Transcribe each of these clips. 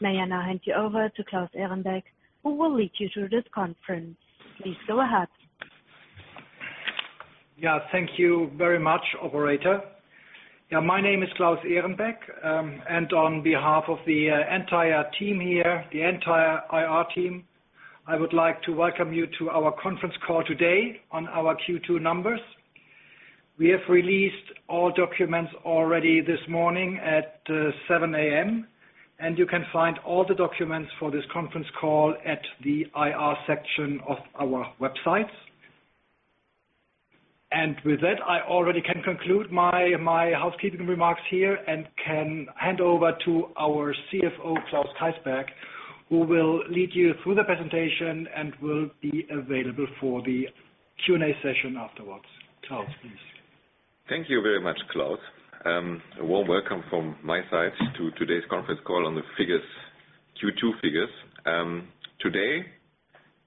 May I now hand you over to Claus Ehrenbeck, who will lead you through this conference. Please go ahead. Yeah, thank you very much, Operator. Yeah, my name is Claus Ehrenbeck, and on behalf of the entire team here, the entire IR team, I would like to welcome you to our conference call today on our Q2 numbers. We have released all documents already this morning at 7:00 A.M., and you can find all the documents for this conference call at the IR section of our website. And with that, I already can conclude my housekeeping remarks here and can hand over to our CFO, Klaus Keysberg, who will lead you through the presentation and will be available for the Q&A session afterwards. Klaus, please. Thank you very much, Klaus. A warm welcome from my side to today's conference call on the Q2 figures. Today,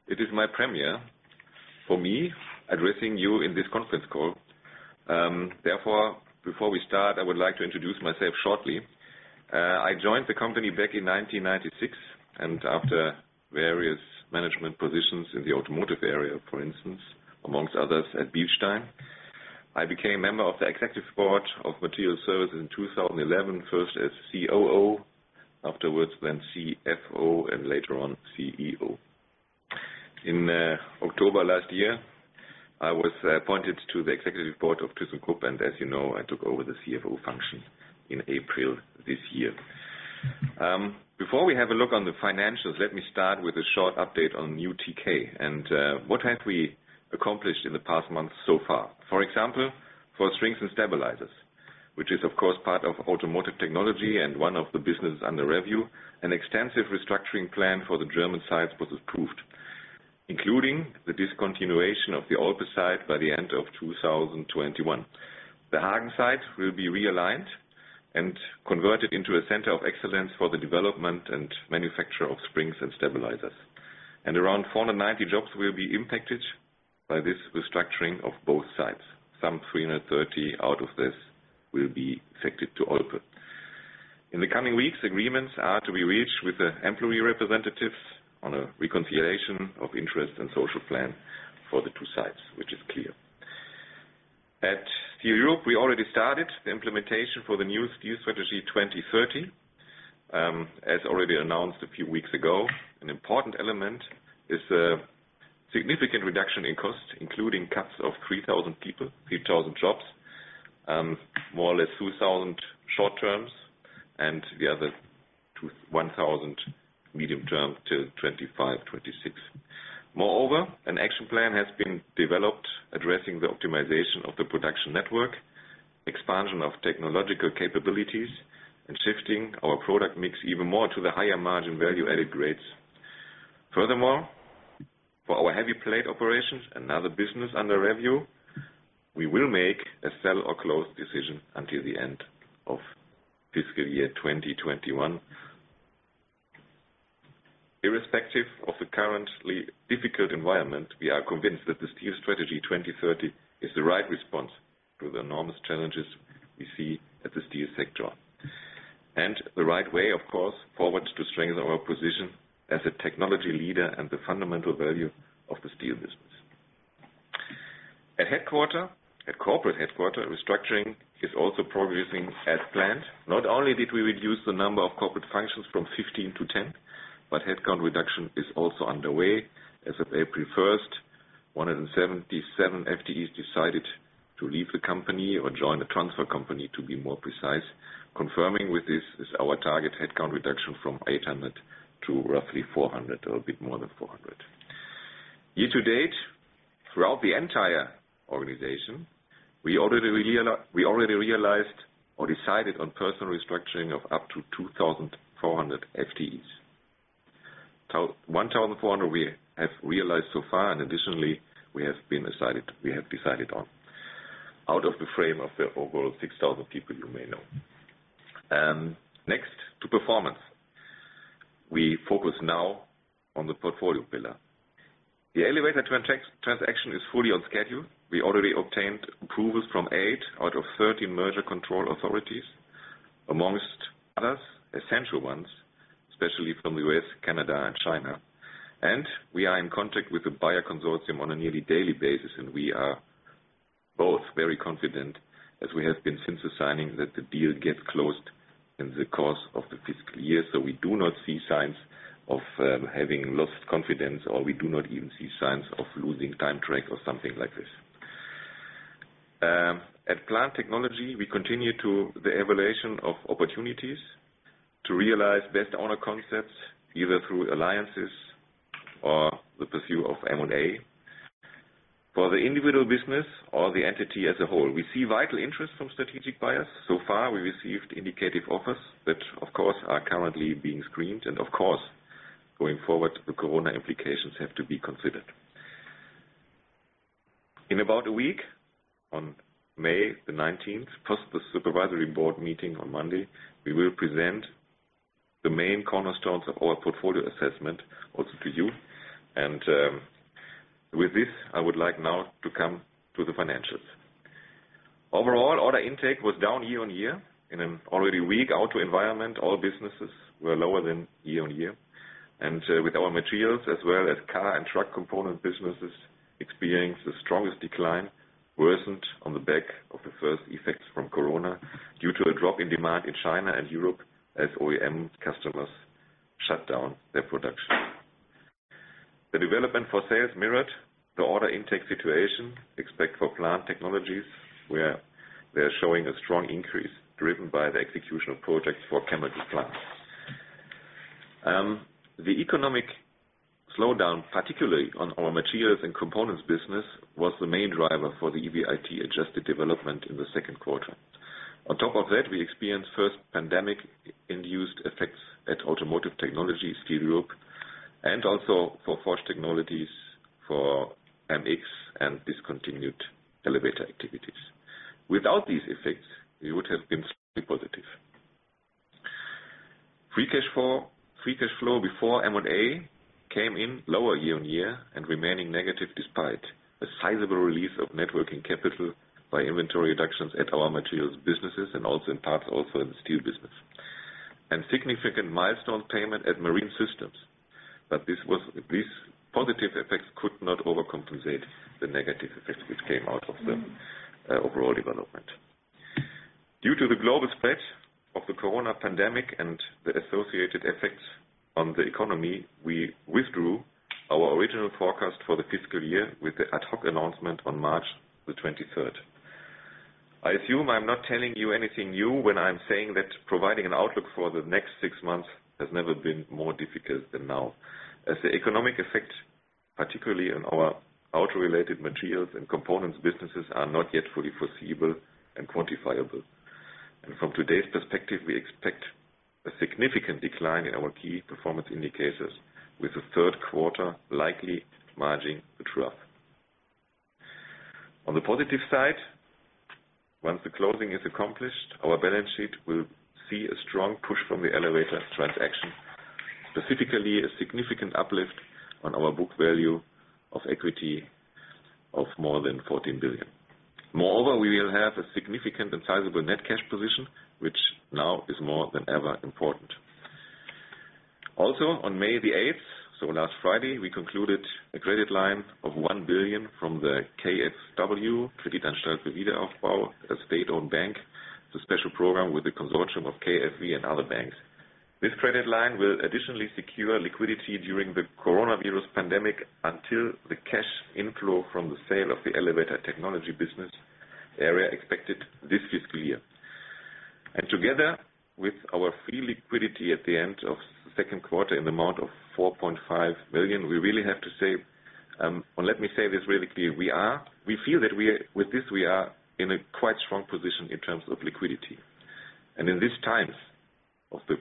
it is my premiere for me addressing you in this conference call. Therefore, before we start, I would like to introduce myself shortly. I joined the company back in 1996, and after various management positions in the automotive area, for instance, amongst others at Bilstein, I became member of the executive board of Materials Services in 2011, first as COO, afterwards then CFO, and later on CEO. In October last year, I was appointed to the executive board of thyssenkrupp, and as you know, I took over the CFO function in April this year. Before we have a look on the financials, let me start with a short update on new TK and what have we accomplished in the past months so far. For example, for Springs and Stabilizers, which is, of course, part of Automotive Technology and one of the businesses under review, an extensive restructuring plan for the German sites was approved, including the discontinuation of the Olpe site by the end of 2021. The Hagen site will be realigned and converted into a center of excellence for the development and manufacture of Springs and Stabilizers. And around 490 jobs will be impacted by this restructuring of both sites. Some 330 out of this will be affected at Olpe. In the coming weeks, agreements are to be reached with the employee representatives on a reconciliation of interest and social plan for the two sites, which is clear. At Steel Europe, we already started the implementation for the new Steel Strategy 2030, as already announced a few weeks ago. An important element is a significant reduction in cost, including cuts of 3,000 people, 3,000 jobs, more or less 2,000 short-terms, and the other 1,000 medium-term till 2025, 2026. Moreover, an action plan has been developed addressing the optimization of the production network, expansion of technological capabilities, and shifting our product mix even more to the higher margin value-added grades. Furthermore, for our Heavy Plate operations, another business under review, we will make a sell or close decision until the end of fiscal year 2021. Irrespective of the currently difficult environment, we are convinced that the Steel Strategy 2030 is the right response to the enormous challenges we see at the steel sector and the right way, of course, forward to strengthen our position as a technology leader and the fundamental value of the steel business. At headquarters, at corporate headquarters, restructuring is also progressing as planned. Not only did we reduce the number of corporate functions from 15-10, but headcount reduction is also underway. As of April 1st, 177 FTEs decided to leave the company or join a transfer company, to be more precise. Confirming with this is our target headcount reduction from 800 to roughly 400, a little bit more than 400. Year to date, throughout the entire organization, we already realized or decided on personnel restructuring of up to 2,400 FTEs. 1,400 we have realized so far, and additionally, we have decided on out of the frame of the overall 6,000 people you may know. Next, to performance, we focus now on the portfolio pillar. The elevator transaction is fully on schedule. We already obtained approvals from eight out of 13 merger control authorities, among others, essential ones, especially from the U.S., Canada, and China. We are in contact with the buyer consortium on a nearly daily basis, and we are both very confident, as we have been since the signing, that the deal gets closed in the course of the fiscal year. We do not see signs of having lost confidence, or we do not even see signs of losing time track or something like this. At Plant Technology, we continue to the evaluation of opportunities to realize best owner concepts, either through alliances or the pursuit of M&A. For the individual business or the entity as a whole, we see vital interest from strategic buyers. So far, we received indicative offers that, of course, are currently being screened. Of course, going forward, the corona implications have to be considered. In about a week, on May the 19th, post the supervisory board meeting on Monday, we will present the main cornerstones of our portfolio assessment also to you. And with this, I would like now to come to the financials. Overall, order intake was down year on year. In an already weak auto environment, all businesses were lower than year on year. And with our materials, as well as car and truck component businesses, experienced the strongest decline, worsened on the back of the first effects from corona due to a drop in demand in China and Europe as OEM customers shut down their production. The development for sales mirrored the order intake situation except for Plant Technology, where they are showing a strong increase driven by the execution of projects for chemical plants. The economic slowdown, particularly on our materials and components business, was the main driver for the EBIT adjusted development in the second quarter. On top of that, we experienced first pandemic-induced effects at Automotive Technology, Steel Europe, and also for Forged Technologies, for a mix, and discontinued elevator activities. Without these effects, we would have been slightly positive. Free cash flow before M&A came in lower year on year and remaining negative despite a sizable release of net working capital by inventory reductions at our materials businesses and also in parts also in the steel business. And significant milestone payment at Marine Systems. But these positive effects could not overcompensate the negative effects which came out of the overall development. Due to the global spread of the corona pandemic and the associated effects on the economy, we withdrew our original forecast for the fiscal year with the ad hoc announcement on March the 23rd. I assume I'm not telling you anything new when I'm saying that providing an outlook for the next six months has never been more difficult than now, as the economic effects, particularly in our auto-related materials and components businesses, are not yet fully foreseeable and quantifiable, and from today's perspective, we expect a significant decline in our key performance indicators, with the third quarter likely marking the trough. On the positive side, once the closing is accomplished, our balance sheet will see a strong push from the elevator transaction, specifically a significant uplift on our book value of equity of more than 14 billion. Moreover, we will have a significant and sizable net cash position, which now is more than ever important. Also, on May the 8th, so last Friday, we concluded a credit line of 1 billion from the KfW, Kreditanstalt für Wiederaufbau, a state-owned bank, the special program with the consortium of KfW and other banks. This credit line will additionally secure liquidity during the coronavirus pandemic until the cash inflow from the sale of the Elevator Technology business area expected this fiscal year. And together with our free liquidity at the end of the second quarter in the amount of 4.5 million, we really have to say, or let me say this really clearly, we feel that with this, we are in a quite strong position in terms of liquidity. And in these times of the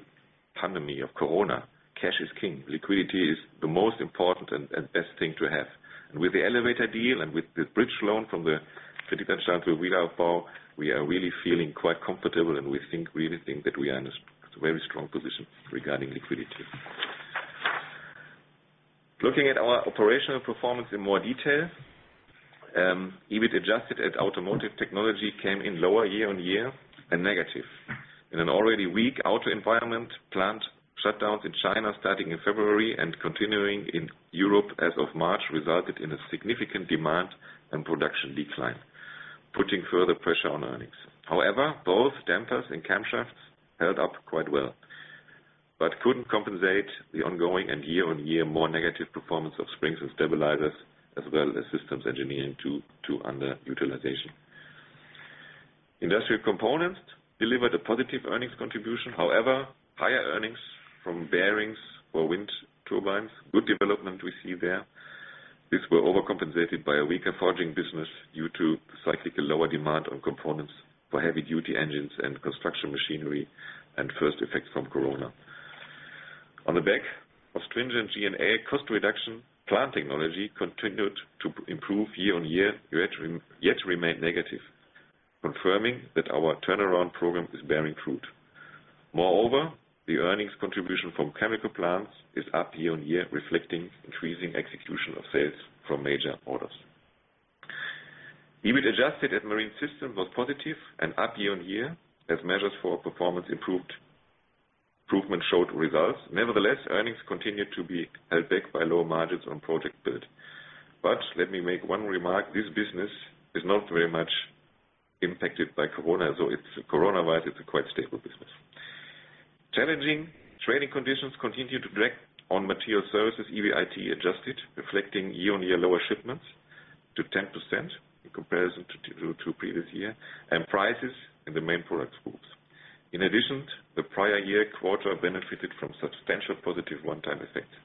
pandemic of corona, cash is king. Liquidity is the most important and best thing to have. With the elevator deal and with the bridge loan from the Kreditanstalt für Wiederaufbau, we are really feeling quite comfortable, and we really think that we are in a very strong position regarding liquidity. Looking at our operational performance in more detail, EBIT adjusted at Automotive Technology came in lower year on year and negative. In an already weak auto environment, plant shutdowns in China starting in February and continuing in Europe as of March resulted in a significant demand and production decline, putting further pressure on earnings. However, both dampers and camshafts held up quite well but couldn't compensate the ongoing and year-on-year more negative performance of Springs and Stabilizers, as well as Systems Engineering to underutilization. Industrial Components delivered a positive earnings contribution. However, higher earnings from bearings for wind turbines, good development we see there. This was overcompensated by a weaker forging business due to the cyclical lower demand on components for heavy-duty engines and construction machinery and first effects from corona. On the back of stringent G&A cost reduction, Plant Technology continued to improve year on year, yet remained negative, confirming that our turnaround program is bearing fruit. Moreover, the earnings contribution from chemical plants is up year on year, reflecting increasing execution of sales from major orders. EBIT adjusted at Marine Systems was positive and up year on year, as measures for performance improvement showed results. Nevertheless, earnings continued to be held back by low margins on project build. But let me make one remark. This business is not very much impacted by corona, so coronavirus is a quite stable business. Challenging trading conditions continue to drag on Materials Services, EBIT adjusted, reflecting year-on-year lower shipments to 10% in comparison to previous year and prices in the main product groups. In addition, the prior year quarter benefited from substantial positive one-time effects.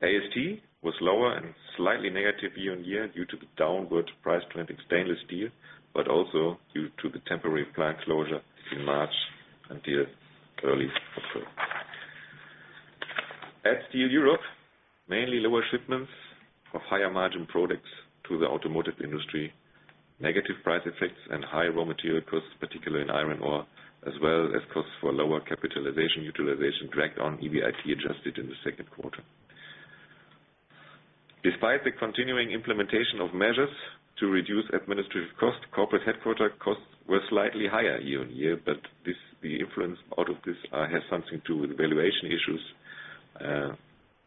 AST was lower and slightly negative year on year due to the downward price trend in stainless steel, but also due to the temporary plant closure in March until early October. At Steel Europe, mainly lower shipments of higher margin products to the automotive industry, negative price effects, and high raw material costs, particularly in iron ore, as well as costs for lower capacity utilization, dragged on EBIT adjusted in the second quarter. Despite the continuing implementation of measures to reduce administrative costs, corporate headquarters costs were slightly higher year on year, but the influence out of this has something to do with valuation issues,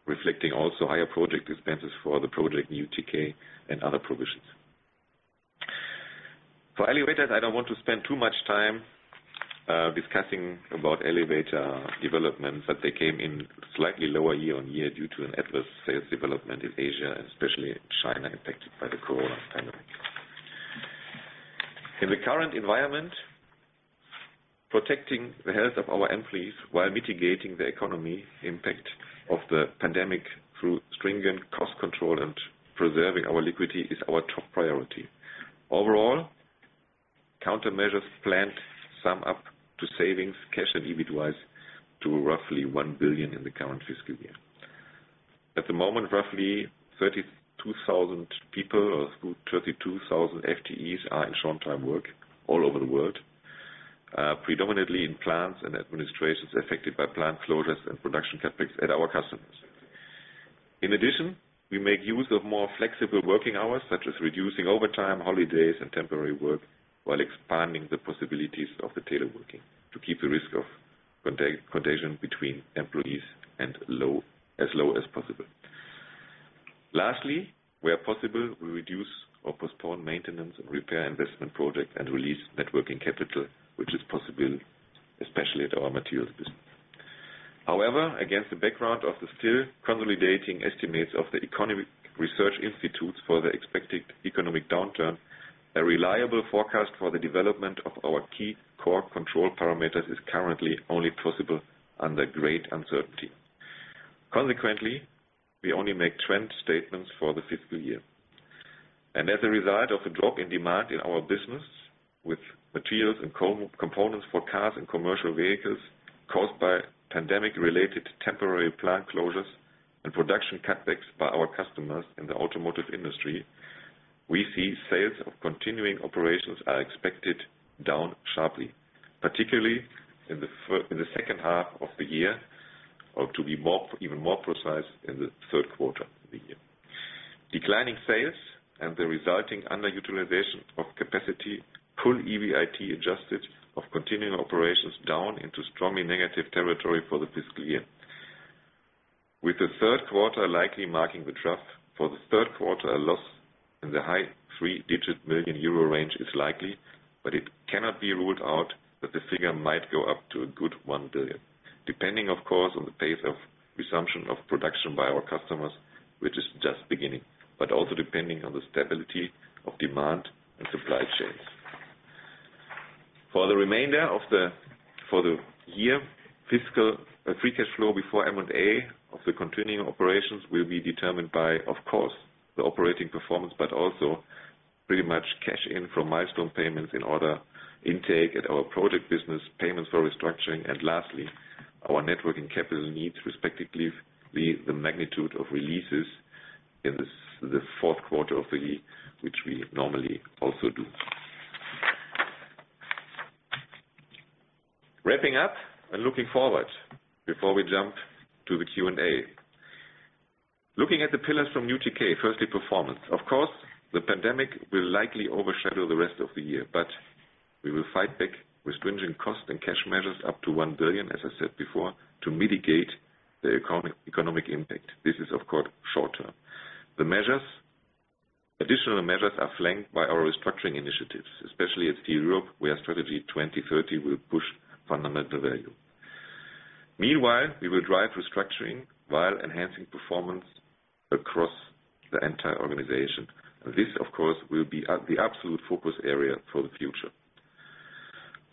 reflecting also higher project expenses for the Project New TK and other provisions. For elevators, I don't want to spend too much time discussing about elevator development, but they came in slightly lower year on year due to an adverse sales development in Asia, especially China impacted by the corona pandemic. In the current environment, protecting the health of our employees while mitigating the economic impact of the pandemic through stringent cost control and preserving our liquidity is our top priority. Overall, countermeasures planned sum up to savings, cash, and EBIT-wise to roughly 1 billion in the current fiscal year. At the moment, roughly 32,000 people or 32,000 FTEs are in short-time work all over the world, predominantly in plants and administrations affected by plant closures and production cutbacks at our customers. In addition, we make use of more flexible working hours, such as reducing overtime, holidays, and temporary work while expanding the possibilities of teleworking to keep the risk of contagion between employees as low as possible. Lastly, where possible, we reduce or postpone maintenance and repair investment projects and release net working capital, which is possible, especially at our materials business. However, against the background of the still consolidating estimates of the economic research institutes for the expected economic downturn, a reliable forecast for the development of our key core control parameters is currently only possible under great uncertainty. Consequently, we only make trend statements for the fiscal year. As a result of the drop in demand in our business with materials and components for cars and commercial vehicles caused by pandemic-related temporary plant closures and production cutbacks by our customers in the automotive industry, we see sales of continuing operations are expected down sharply, particularly in the second half of the year, or to be even more precise in the third quarter of the year. Declining sales and the resulting underutilization of capacity pull EBIT adjusted of continuing operations down into strongly negative territory for the fiscal year. With the third quarter likely marking the trough, for the third quarter, a loss in the high three-digit million EUR range is likely, but it cannot be ruled out that the figure might go up to a good 1 billion, depending, of course, on the pace of resumption of production by our customers, which is just beginning, but also depending on the stability of demand and supply chains. For the remainder of the year, fiscal free cash flow before M&A of the continuing operations will be determined by, of course, the operating performance, but also pretty much cash in from milestone payments in order intake at our project business, payments for restructuring, and lastly, our net working capital needs, respectively, the magnitude of releases in the fourth quarter of the year, which we normally also do. Wrapping up and looking forward before we jump to the Q&A. Looking at the pillars from new TK, firstly, performance. Of course, the pandemic will likely overshadow the rest of the year, but we will fight back with stringent cost and cash measures up to 1 billion, as I said before, to mitigate the economic impact. This is, of course, short-term. Additional measures are flanked by our restructuring initiatives, especially at Steel Europe, where Steel Strategy 2030 will push fundamental value. Meanwhile, we will drive restructuring while enhancing performance across the entire organization. And this, of course, will be the absolute focus area for the future.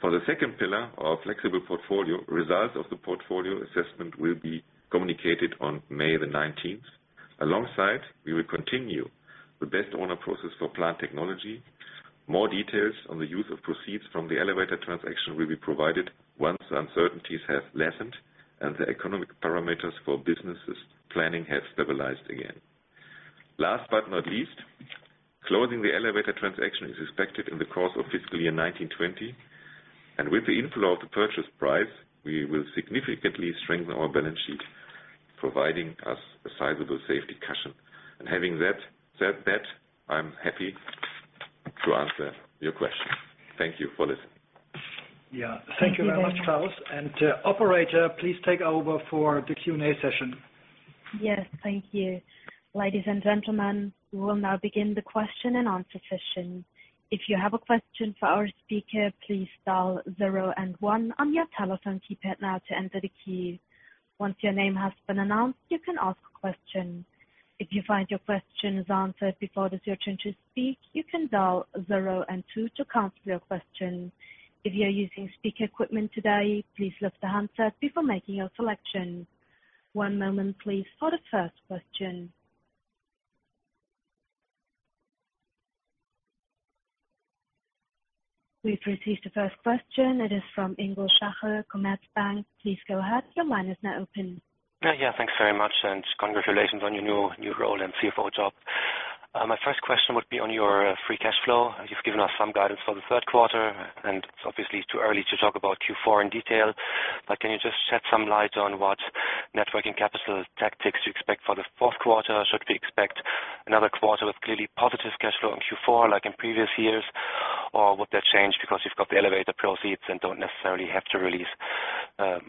For the second pillar, our flexible portfolio, results of the portfolio assessment will be communicated on May the 19th. Alongside, we will continue the best-owner process for Plant Technology. More details on the use of proceeds from the elevator transaction will be provided once the uncertainties have lessened and the economic parameters for businesses' planning have stabilized again. Last but not least, closing the elevator transaction is expected in the course of fiscal year 2020. And with the inflow of the purchase price, we will significantly strengthen our balance sheet, providing us a sizable safety cushion. And having said that, I'm happy to answer your questions. Thank you for listening. Yeah. Thank you very much, Klaus, and Operator, please take over for the Q&A session. Yes. Thank you. Ladies and gentlemen, we will now begin the question and answer session. If you have a question for our speaker, please dial zero and one on your telephone keypad now to enter the key. Once your name has been announced, you can ask a question. If you find your question is answered before it is your turn to speak, you can dial zero and two to cancel your question. If you're using speaker equipment today, please lift the handset before making your selection. One moment, please, for the first question. We've received the first question. It is from Ingo Schachel, Commerzbank. Please go ahead. Your line is now open. Yeah. Yeah. Thanks very much. And congratulations on your new role and CFO job. My first question would be on your free cash flow. You've given us some guidance for the third quarter, and it's obviously too early to talk about Q4 in detail, but can you just shed some light on what net working capital tactics you expect for the fourth quarter? Should we expect another quarter with clearly positive cash flow in Q4 like in previous years, or would that change because you've got the elevator proceeds and don't necessarily have to release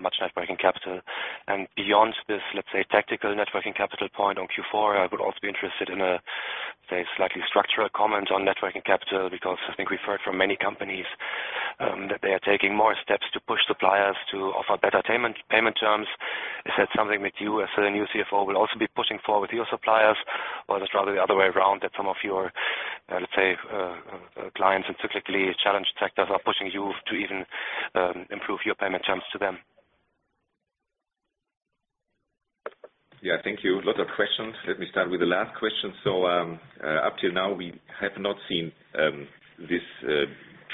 much net working capital? And beyond this, let's say, tactical net working capital point on Q4, I would also be interested in a, say, slightly structural comment on net working capital because I think we've heard from many companies that they are taking more steps to push suppliers to offer better payment terms. Is that something that you, as the new CFO, will also be pushing for with your suppliers, or is it rather the other way around that some of your, let's say, clients in cyclically challenged sectors are pushing you to even improve your payment terms to them? Yeah. Thank you. A lot of questions. Let me start with the last question. So up till now, we have not seen this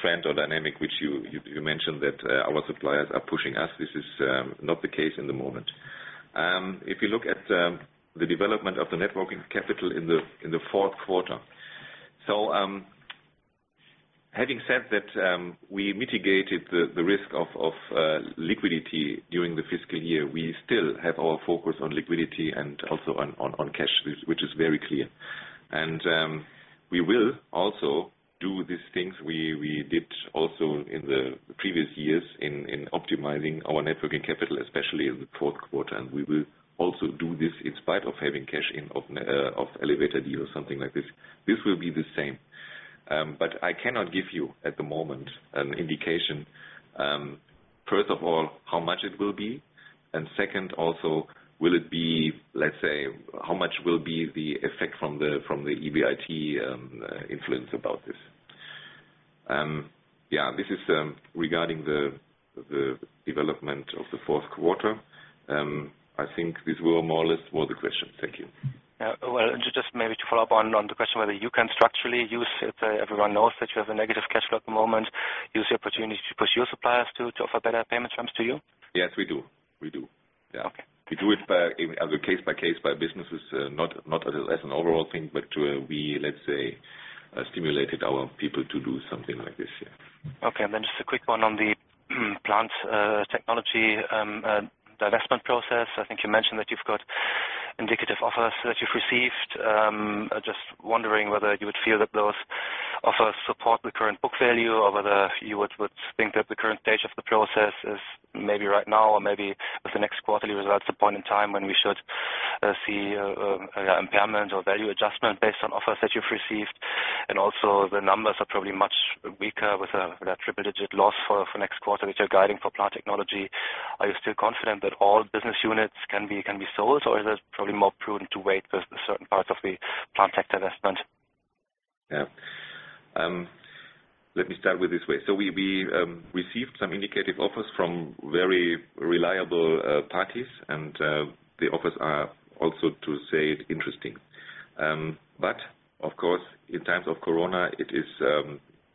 trend or dynamic which you mentioned that our suppliers are pushing us. This is not the case at the moment. If you look at the development of the net working capital in the fourth quarter, so having said that we mitigated the risk of liquidity during the fiscal year, we still have our focus on liquidity and also on cash, which is very clear, and we will also do these things we did also in the previous years in optimizing our net working capital, especially in the fourth quarter, and we will also do this in spite of having cash in from elevator deals, something like this. This will be the same. But I cannot give you at the moment an indication, first of all, how much it will be. And second, also, will it be, let's say, how much will be the effect from the EBIT influence about this? Yeah. This is regarding the development of the fourth quarter. I think this will more or less be the question. Thank you. Just maybe to follow up on the question whether you can structurally use everyone knows that you have a negative cash flow at the moment. Use the opportunity to push your suppliers to offer better payment terms to you? Yes, we do. We do. Yeah. Okay. We do it case by case, by businesses, not as an overall thing, but we, let's say, stimulated our people to do something like this. Yeah. Okay. And then just a quick one on the Plant Technology divestment process. I think you mentioned that you've got indicative offers that you've received. Just wondering whether you would feel that those offers support the current book value or whether you would think that the current stage of the process is maybe right now or maybe with the next quarterly results a point in time when we should see impairment or value adjustment based on offers that you've received. And also, the numbers are probably much weaker with a triple-digit loss for next quarter which are guiding for Plant Technology. Are you still confident that all business units can be sold, or is it probably more prudent to wait with certain parts of the Plant Tech divestment? Yeah. Let me start with this way. So we received some indicative offers from very reliable parties, and the offers are also, to say it, interesting. But, of course, in times of corona,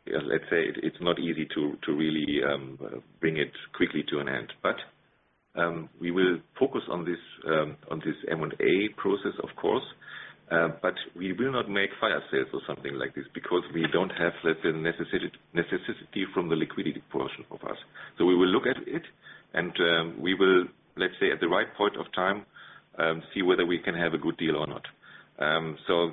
let's say, it's not easy to really bring it quickly to an end. But we will focus on this M&A process, of course, but we will not make fire sales or something like this because we don't have the necessity from the liquidity portion of us. So we will look at it, and we will, let's say, at the right point of time, see whether we can have a good deal or not. So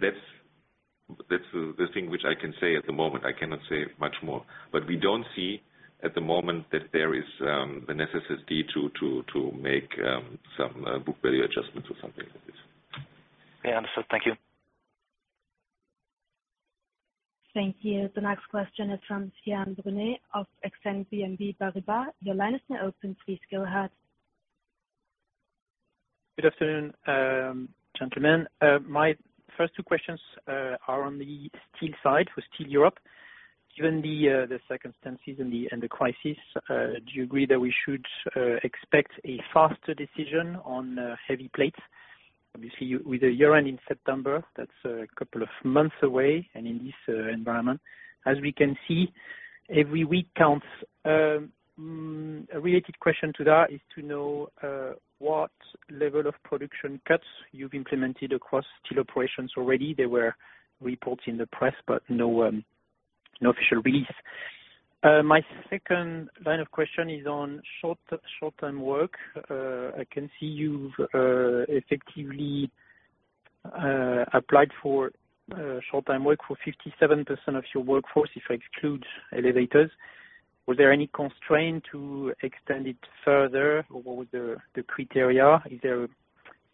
that's the thing which I can say at the moment. I cannot say much more. But we don't see at the moment that there is the necessity to make some book value adjustments or something like this. Yeah. Understood. Thank you. Thank you. The next question is from Sylvain Brunet of EXANE BNP Paribas. Your line is now open. Please go ahead. Good afternoon, gentlemen. My first two questions are on the steel side for Steel Europe. Given the circumstances and the crisis, do you agree that we should expect a faster decision on heavy plates? Obviously, with the year-end in September, that's a couple of months away, and in this environment, as we can see, every week counts. A related question to that is to know what level of production cuts you've implemented across steel operations already. There were reports in the press, but no official release. My second line of question is on short-term work. I can see you've effectively applied for short-term work for 57% of your workforce, if I exclude elevators. Was there any constraint to extend it further, or what were the criteria? Is there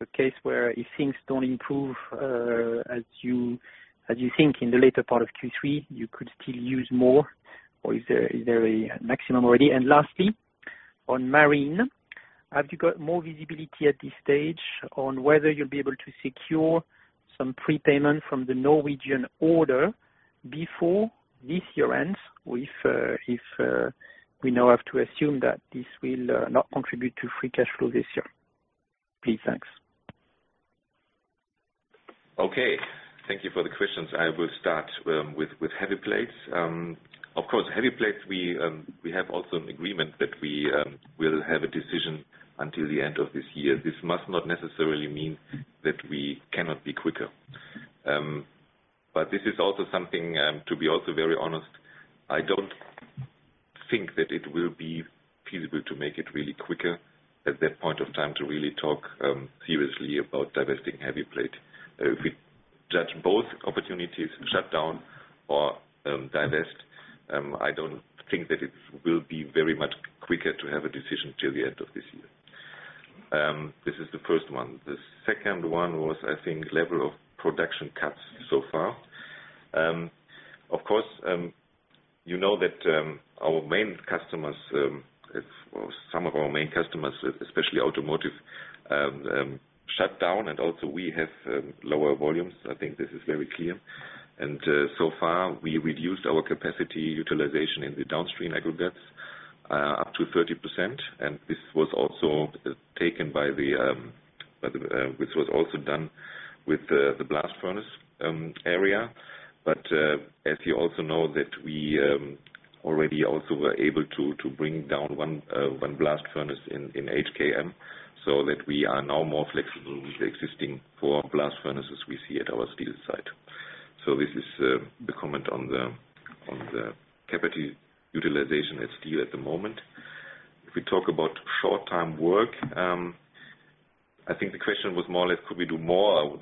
a case where if things don't improve as you think in the later part of Q3, you could still use more, or is there a maximum already? And lastly, on marine, have you got more visibility at this stage on whether you'll be able to secure some prepayment from the Norwegian order before this year ends? If we now have to assume that this will not contribute to free cash flow this year, please, thanks. Okay. Thank you for the questions. I will start with Heavy Plate. Of course, Heavy Plate, we have also an agreement that we will have a decision until the end of this year. This must not necessarily mean that we cannot be quicker. But this is also something, to be also very honest, I don't think that it will be feasible to make it really quicker at that point of time to really talk seriously about divesting Heavy Plate. If we judge both opportunities, shut down or divest, I don't think that it will be very much quicker to have a decision till the end of this year. This is the first one. The second one was, I think, level of production cuts so far. Of course, you know that our main customers, some of our main customers, especially automotive, shut down, and also we have lower volumes. I think this is very clear. And so far, we reduced our capacity utilization in the downstream aggregates up to 30%. And this was also done with the blast furnace area. But as you also know, that we already also were able to bring down one blast furnace in HKM so that we are now more flexible with the existing four blast furnaces we see at our steel site. So this is the comment on the capacity utilization at steel at the moment. If we talk about short-time work, I think the question was more or less, could we do more,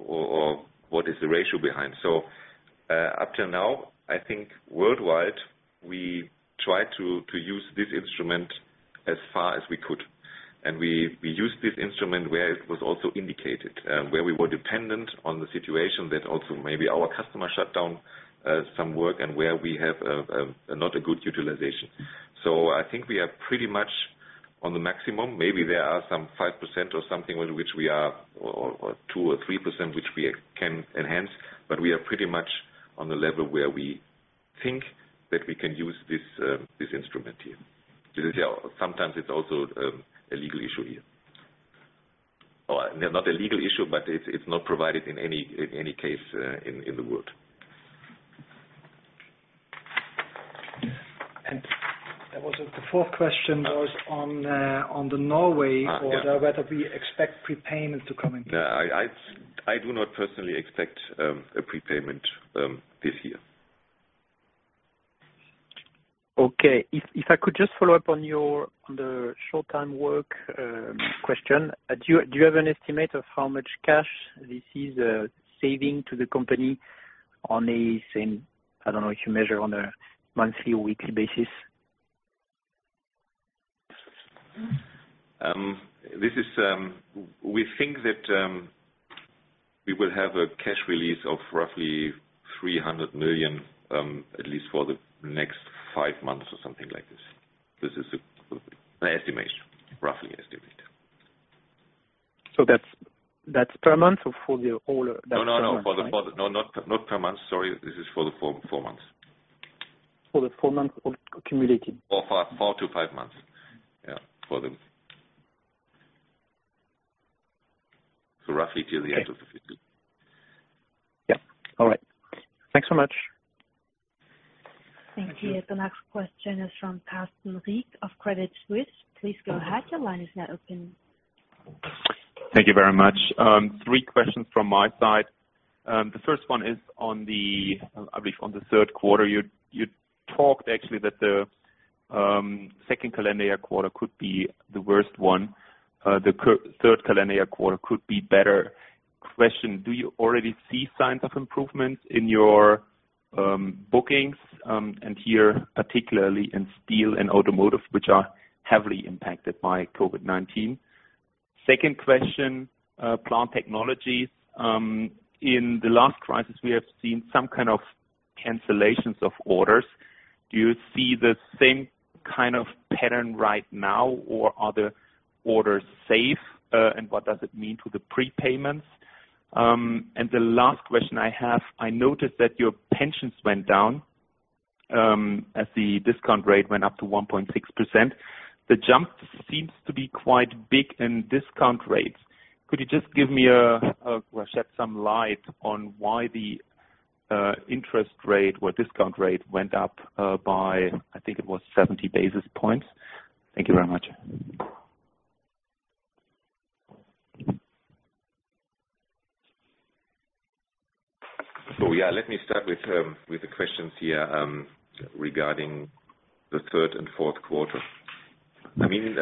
or what is the ratio behind? So up till now, I think worldwide, we tried to use this instrument as far as we could. And we used this instrument where it was also indicated, where we were dependent on the situation that also maybe our customer shut down some work and where we have not a good utilization. So I think we are pretty much on the maximum. Maybe there are some 5% or something which we are, or 2 or 3% which we can enhance, but we are pretty much on the level where we think that we can use this instrument here. Sometimes it's also a legal issue here, or not a legal issue, but it's not provided in any case in the world. That was the fourth question on the Norway order, whether we expect prepayment to come in. No, I do not personally expect a prepayment this year. Okay. If I could just follow up on the short-term work question, do you have an estimate of how much cash this is saving to the company on a, I don't know if you measure on a monthly or weekly basis? We think that we will have a cash release of roughly 300 million, at least for the next five months or something like this. This is an estimate, roughly estimate. So that's per month or for the whole? No, no, no. Not per month. Sorry. This is for the four months. For the four months accumulated? Four to five months. Yeah, so roughly till the end of the fiscal. Yeah. All right. Thanks so much. Thank you. The next question is from Carsten Riek of Credit Suisse. Please go ahead. Your line is now open. Thank you very much. Three questions from my side. The first one is, I believe, on the third quarter. You talked actually that the second calendar year quarter could be the worst one. The third calendar year quarter could be better. Question, do you already see signs of improvement in your bookings? And here, particularly in steel and automotive, which are heavily impacted by COVID-19. Second question, Plant Technology. In the last crisis, we have seen some kind of cancellations of orders. Do you see the same kind of pattern right now, or are the orders safe, and what does it mean to the prepayments? And the last question I have, I noticed that your pensions went down as the discount rate went up to 1.6%. The jump seems to be quite big in discount rates. Could you just give me or shed some light on why the interest rate or discount rate went up by, I think it was 70 basis points? Thank you very much. So yeah, let me start with the questions here regarding the third and fourth quarter. I mean,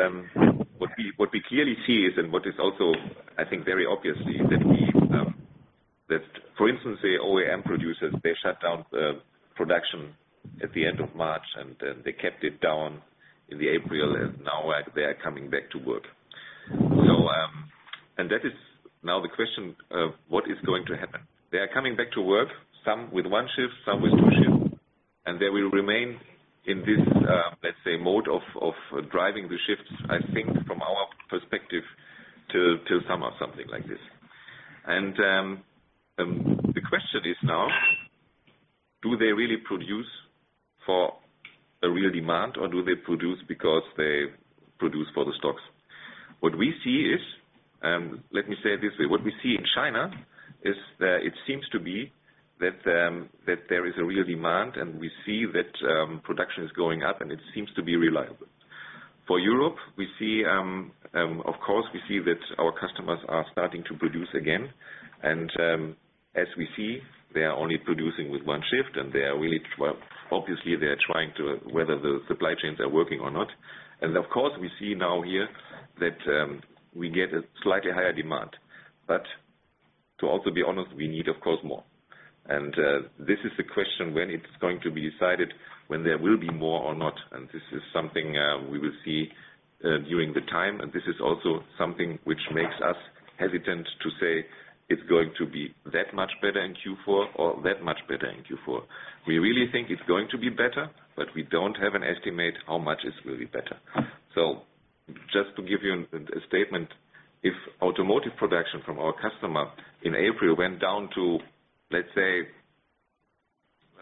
what we clearly see is, and what is also, I think, very obviously, that, for instance, the OEM producers, they shut down production at the end of March, and then they kept it down in April, and now they are coming back to work. And that is now the question, what is going to happen? They are coming back to work, some with one shift, some with two shifts, and they will remain in this, let's say, mode of driving the shifts, I think, from our perspective, till summer or something like this. And the question is now, do they really produce for a real demand, or do they produce because they produce for the stocks? What we see is, let me say it this way, what we see in China is that it seems to be that there is a real demand, and we see that production is going up, and it seems to be reliable. For Europe, of course, we see that our customers are starting to produce again, and as we see, they are only producing with one shift, and obviously, they are trying to see whether the supply chains are working or not, and of course, we see now here that we get a slightly higher demand, but to also be honest, we need, of course, more, and this is the question when it's going to be decided when there will be more or not, and this is something we will see during the time. This is also something which makes us hesitant to say it's going to be that much better in Q4 or that much better in Q4. We really think it's going to be better, but we don't have an estimate how much it will be better. So just to give you a statement, if automotive production from our customer in April went down to, let's say,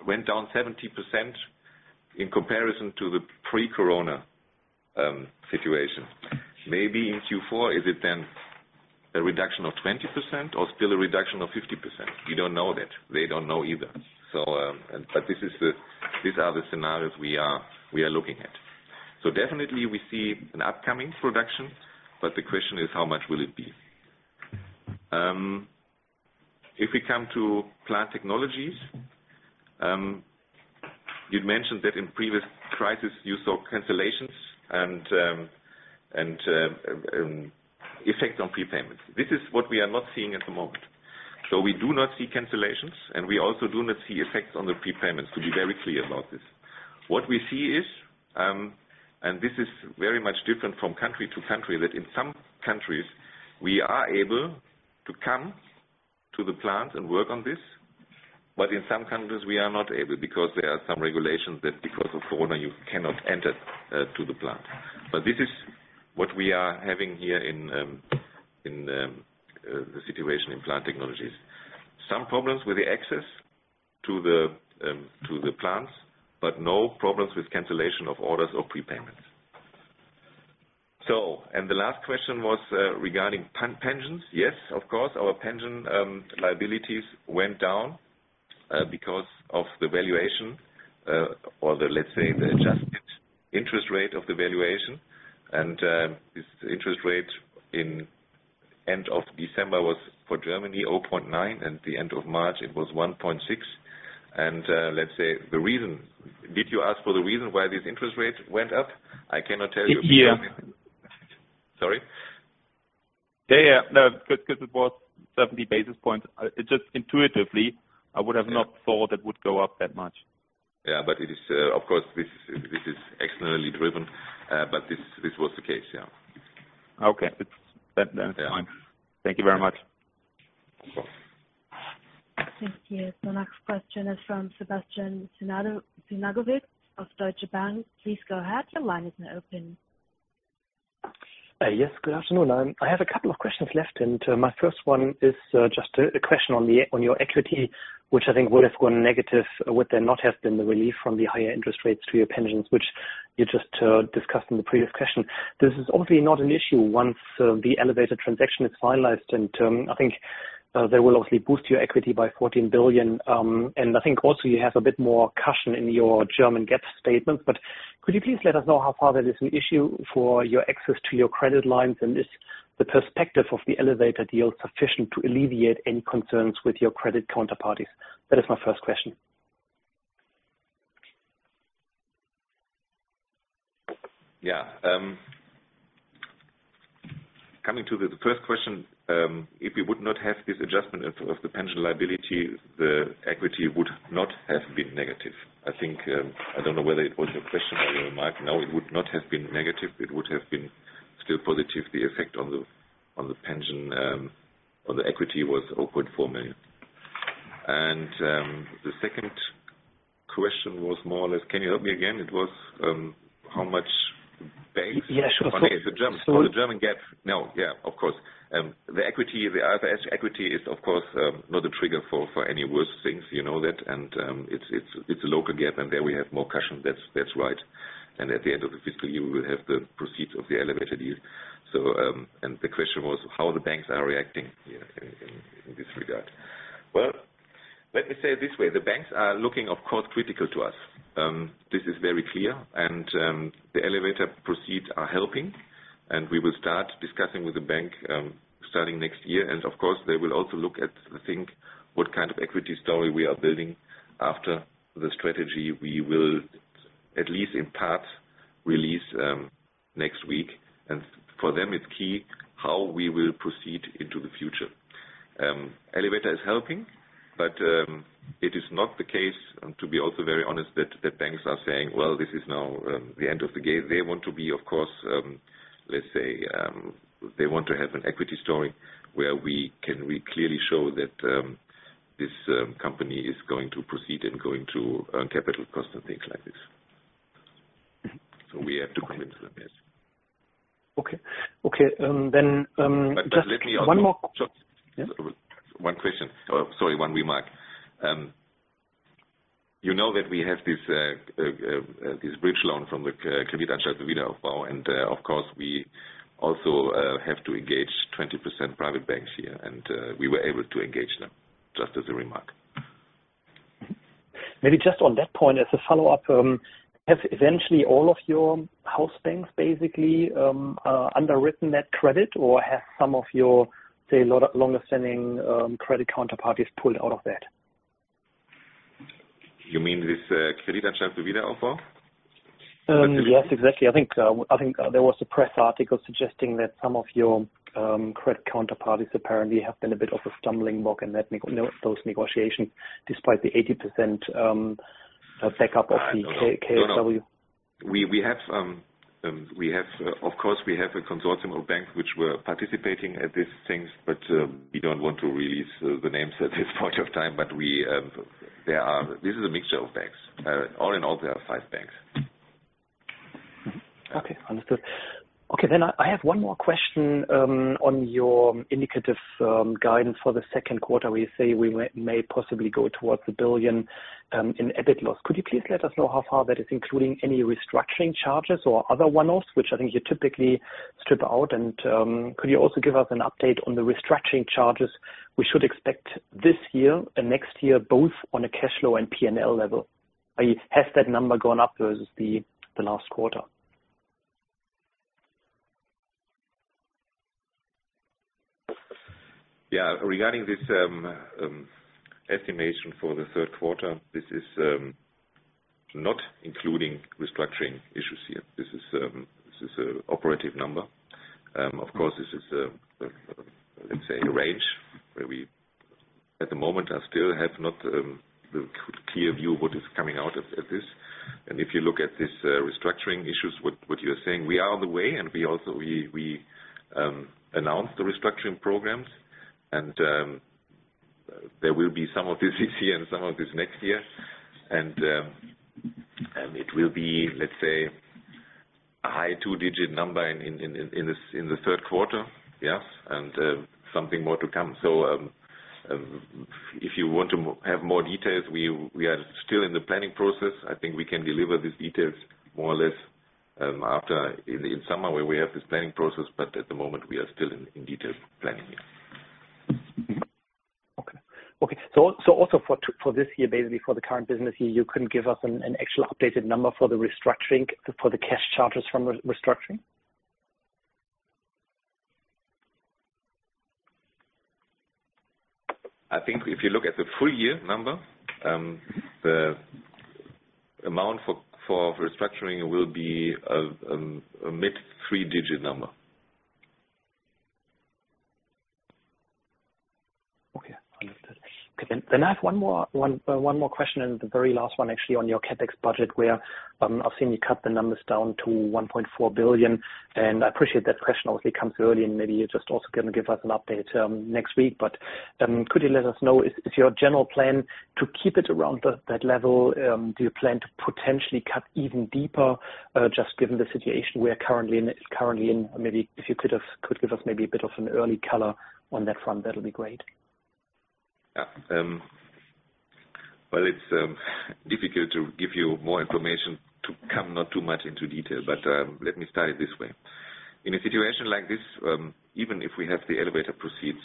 70% in comparison to the pre-corona situation, maybe in Q4, is it then a reduction of 20% or still a reduction of 50%? We don't know that. They don't know either. But these are the scenarios we are looking at. So definitely, we see an upcoming production, but the question is how much will it be? If we come to plant technologies, you'd mentioned that in previous crises, you saw cancellations and effect on prepayments. This is what we are not seeing at the moment. So we do not see cancellations, and we also do not see effects on the prepayments, to be very clear about this. What we see is, and this is very much different from country to country, that in some countries, we are able to come to the plant and work on this, but in some countries, we are not able because there are some regulations that because of corona, you cannot enter to the plant. But this is what we are having here in the situation in Plant Technology. Some problems with the access to the plants, but no problems with cancellation of orders or prepayments. The last question was regarding pensions. Yes, of course, our pension liabilities went down because of the valuation or the, let's say, the adjusted interest rate of the valuation. This interest rate in the end of December was for Germany 0.9, and the end of March, it was 1.6. Let's say the reason. Did you ask for the reason why this interest rate went up? I cannot tell you. Yeah. Sorry? Yeah, yeah. No, because it was 70 basis points. Just intuitively, I would have not thought it would go up that much. Yeah. But of course, this is externally driven, but this was the case. Yeah. Okay. Then that's fine. Thank you very much. Thank you. The next question is from Bastian Synagowitz of Deutsche Bank. Please go ahead. Your line is now open. Yes, good afternoon. I have a couple of questions left, and my first one is just a question on your equity, which I think would have gone negative, would there not have been the relief from the higher interest rates to your pensions, which you just discussed in the previous question. This is obviously not an issue once the elevator transaction is finalized, and I think they will obviously boost your equity by 14 billion, and I think also you have a bit more caution in your German GAAP statements, but could you please let us know how far there is an issue for your access to your credit lines, and is the perspective of the elevator deal sufficient to alleviate any concerns with your credit counterparties? That is my first question. Yeah. Coming to the first question, if we would not have this adjustment of the pension liability, the equity would not have been negative. I don't know whether it was your question or your remark. No, it would not have been negative. It would have been still positive. The effect on the pension or the equity was 0.4 million. And the second question was more or less, can you help me again? It was how much banks? Yeah, sure. Sorry. Okay. So the German GAAP. No, yeah, of course. The equity, the IFRS equity is, of course, not a trigger for any worse things. You know that. And it's a local GAAP, and there we have more caution. That's right. And at the end of the fiscal year, we will have the proceeds of the elevator deal. And the question was how the banks are reacting in this regard. Well, let me say it this way. The banks are looking, of course, critically at us. This is very clear. And the elevator proceeds are helping, and we will start discussing with the banks starting next year. And of course, they will also look at, I think, what kind of equity story we are building after the strategy we will at least in part release next week. And for them, it's key how we will proceed into the future. Elevator is helping, but it is not the case, to be also very honest, that banks are saying, well, this is now the end of the game. They want to be, of course, let's say, they want to have an equity story where we can clearly show that this company is going to proceed and going to earn capital costs and things like this, so we have to convince them, yes. Okay. Okay. Then just one more. Let me also one question. Sorry, one remark. You know that we have this bridge loan from the Kreditanstalt für Wiederaufbau, and of course, we also have to engage 20% private banks here, and we were able to engage them, just as a remark. Maybe just on that point, as a follow-up, have eventually all of your house banks basically underwritten that credit, or have some of your, say, longer-standing credit counterparties pulled out of that? You mean this Kreditanstalt für Wiederaufbau? Yes, exactly. I think there was a press article suggesting that some of your credit counterparties apparently have been a bit of a stumbling block in those negotiations, despite the 80% backup of the KfW. Of course, we have a consortium of banks which were participating at these things, but we don't want to release the names at this point of time. But this is a mixture of banks. All in all, there are five banks. Okay. Understood. Okay. Then I have one more question on your indicative guidance for the second quarter, where you say we may possibly go towards a billion in EBIT loss. Could you please let us know how far that is, including any restructuring charges or other one-offs, which I think you typically strip out? And could you also give us an update on the restructuring charges we should expect this year and next year, both on a cash flow and P&L level? Has that number gone up versus the last quarter? Yeah. Regarding this estimation for the third quarter, this is not including restructuring issues here. This is an operative number. Of course, this is, let's say, a range where we, at the moment, still have not the clear view of what is coming out of this. And if you look at these restructuring issues, what you are saying, we are on the way, and we also announced the restructuring programs. And there will be some of this this year and some of this next year. And it will be, let's say, a high two-digit number in the third quarter, yes, and something more to come. So if you want to have more details, we are still in the planning process. I think we can deliver these details more or less in summer when we have this planning process, but at the moment, we are still in detailed planning here. Okay. So also for this year, basically for the current business year, you couldn't give us an actual updated number for the restructuring, for the cash charges from restructuring? I think if you look at the full year number, the amount for restructuring will be a mid-three-digit number. Okay. Understood. Okay. Then I have one more question, and the very last one, actually, on your CapEx budget, where I've seen you cut the numbers down to 1.4 billion. And I appreciate that question obviously comes early, and maybe you're just also going to give us an update next week. But could you let us know, is your general plan to keep it around that level? Do you plan to potentially cut even deeper, just given the situation we are currently in? Maybe if you could give us maybe a bit of an early color on that front, that would be great. Yeah. It's difficult to give you more information without going into too much detail, but let me start it this way. In a situation like this, even if we have the elevator proceeds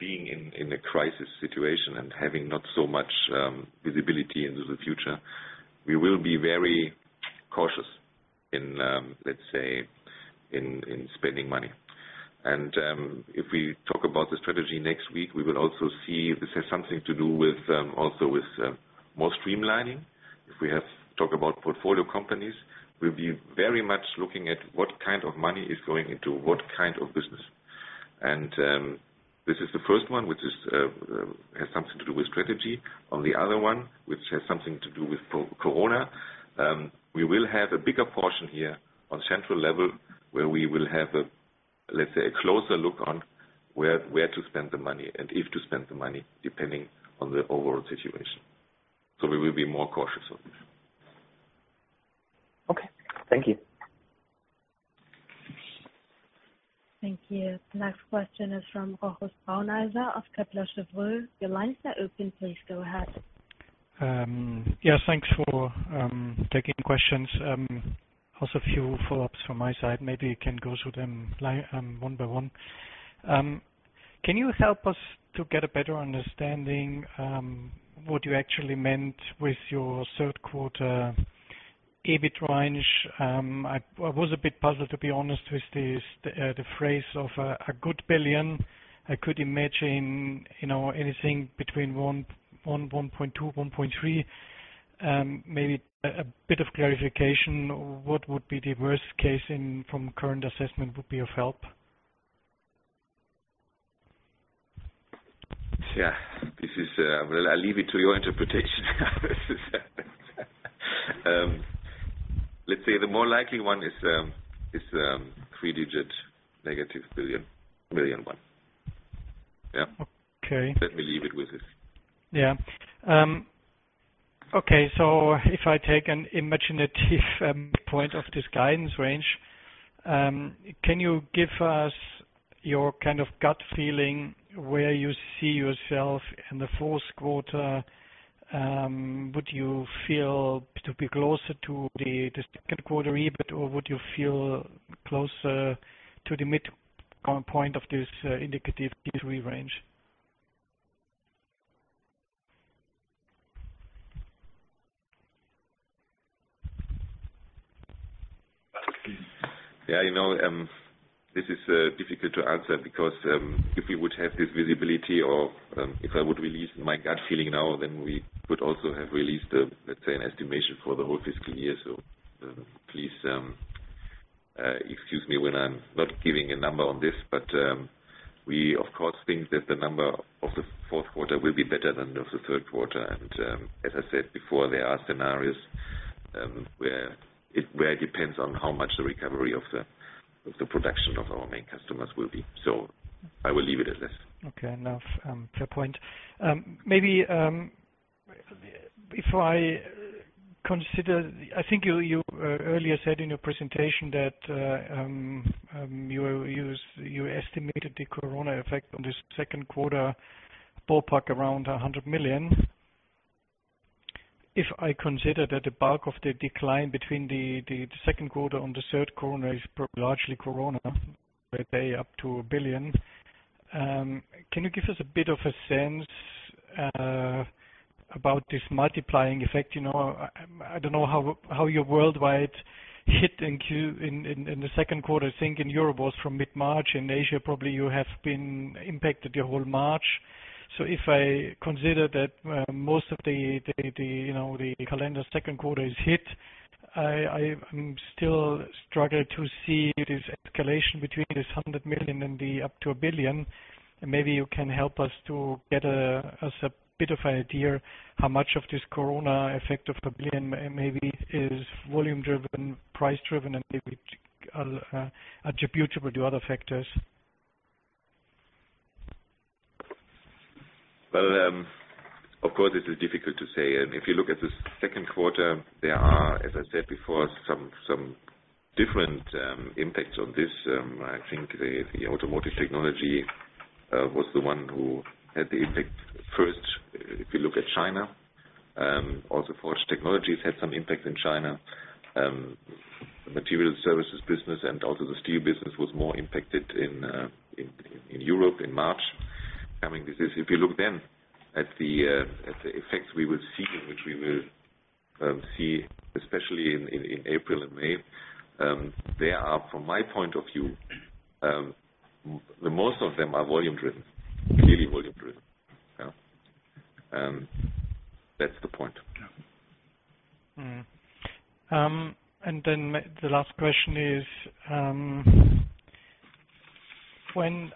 being in a crisis situation and having not so much visibility into the future, we will be very cautious in, let's say, in spending money, and if we talk about the strategy next week, we will also see this has something to do also with more streamlining. If we talk about portfolio companies, we'll be very much looking at what kind of money is going into what kind of business, and this is the first one, which has something to do with strategy. On the other one, which has something to do with corona, we will have a bigger portion here on central level where we will have, let's say, a closer look on where to spend the money and if to spend the money, depending on the overall situation, so we will be more cautious of it. Okay. Thank you. Thank you. The next question is from Rochus Brauneiser of Kepler Cheuvreux. Your lines are open. Please go ahead. Yeah. Thanks for taking questions. Also a few follow-ups from my side. Maybe you can go through them one by one. Can you help us to get a better understanding what you actually meant with your third quarter EBIT range? I was a bit puzzled, to be honest, with the phrase of a good billion. I could imagine anything between 1.2-1.3. Maybe a bit of clarification. What would be the worst case from current assessment would be of help? Yeah. I'll leave it to your interpretation. Let's say the more likely one is three-digit negative billion, million one. Yeah. Let me leave it with this. Yeah. Okay. So if I take an imaginative point of this guidance range, can you give us your kind of gut feeling where you see yourself in the fourth quarter? Would you feel to be closer to the second quarter EBIT, or would you feel closer to the midpoint of this indicative Q3 range? Yeah. This is difficult to answer because if we would have this visibility or if I would release my gut feeling now, then we could also have released, let's say, an estimation for the whole fiscal year, so please excuse me when I'm not giving a number on this, but we, of course, think that the number of the fourth quarter will be better than of the third quarter, and as I said before, there are scenarios where it very depends on how much the recovery of the production of our main customers will be, so I will leave it at this. Okay. Fair point. Maybe if I consider, I think you earlier said in your presentation that you estimated the corona effect on the second quarter ballpark around 100 million. If I consider that the bulk of the decline between the second quarter and the third quarter is largely corona, where it's up to 1 billion EUR, can you give us a bit of a sense about this multiplying effect? I don't know how you were hit worldwide in the second quarter. I think in Europe it was from mid-March. In Asia, probably you have been impacted in your whole March. So if I consider that most of the calendar second quarter is hit, I still struggle to see this escalation between this 100 million and the up to 1 billion. Maybe you can help us to get us a bit of an idea how much of this corona effect of 1 billion maybe is volume-driven, price-driven, and maybe attributable to other factors? Of course, this is difficult to say. If you look at the second quarter, there are, as I said before, some different impacts on this. I think the Automotive Technology was the one who had the impact first. If you look at China, also Forged Technologies had some impact in China. The Material Services business and also the Steel business was more impacted in Europe in March. If you look then at the effects we will see, which we will see especially in April and May, there are, from my point of view, most of them are volume-driven, clearly volume-driven. Yeah. That's the point. Yeah. And then the last question is, when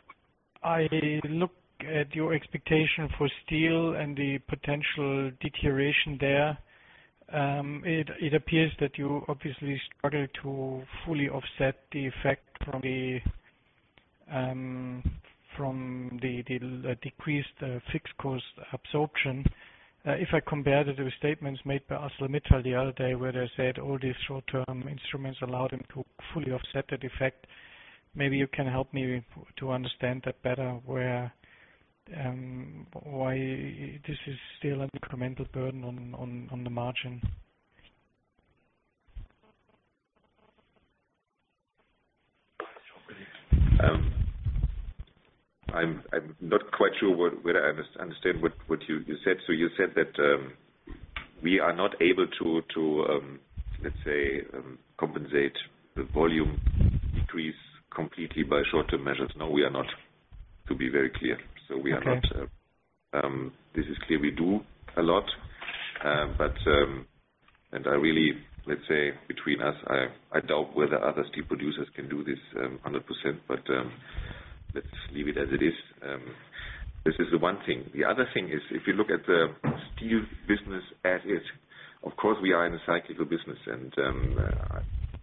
I look at your expectation for steel and the potential deterioration there, it appears that you obviously struggle to fully offset the effect from the decreased fixed cost absorption. If I compare it to the statements made by ArcelorMittal the other day, where they said all these short-term instruments allowed him to fully offset that effect, maybe you can help me to understand that better, why this is still an incremental burden on the margin? I'm not quite sure whether I understand what you said. So you said that we are not able to, let's say, compensate the volume decrease completely by short-term measures. No, we are not, to be very clear. So we are not. This is clear we do a lot. And I really, let's say, between us, I doubt whether other steel producers can do this 100%, but let's leave it as it is. This is the one thing. The other thing is, if you look at the steel business as it, of course, we are in a cyclical business. And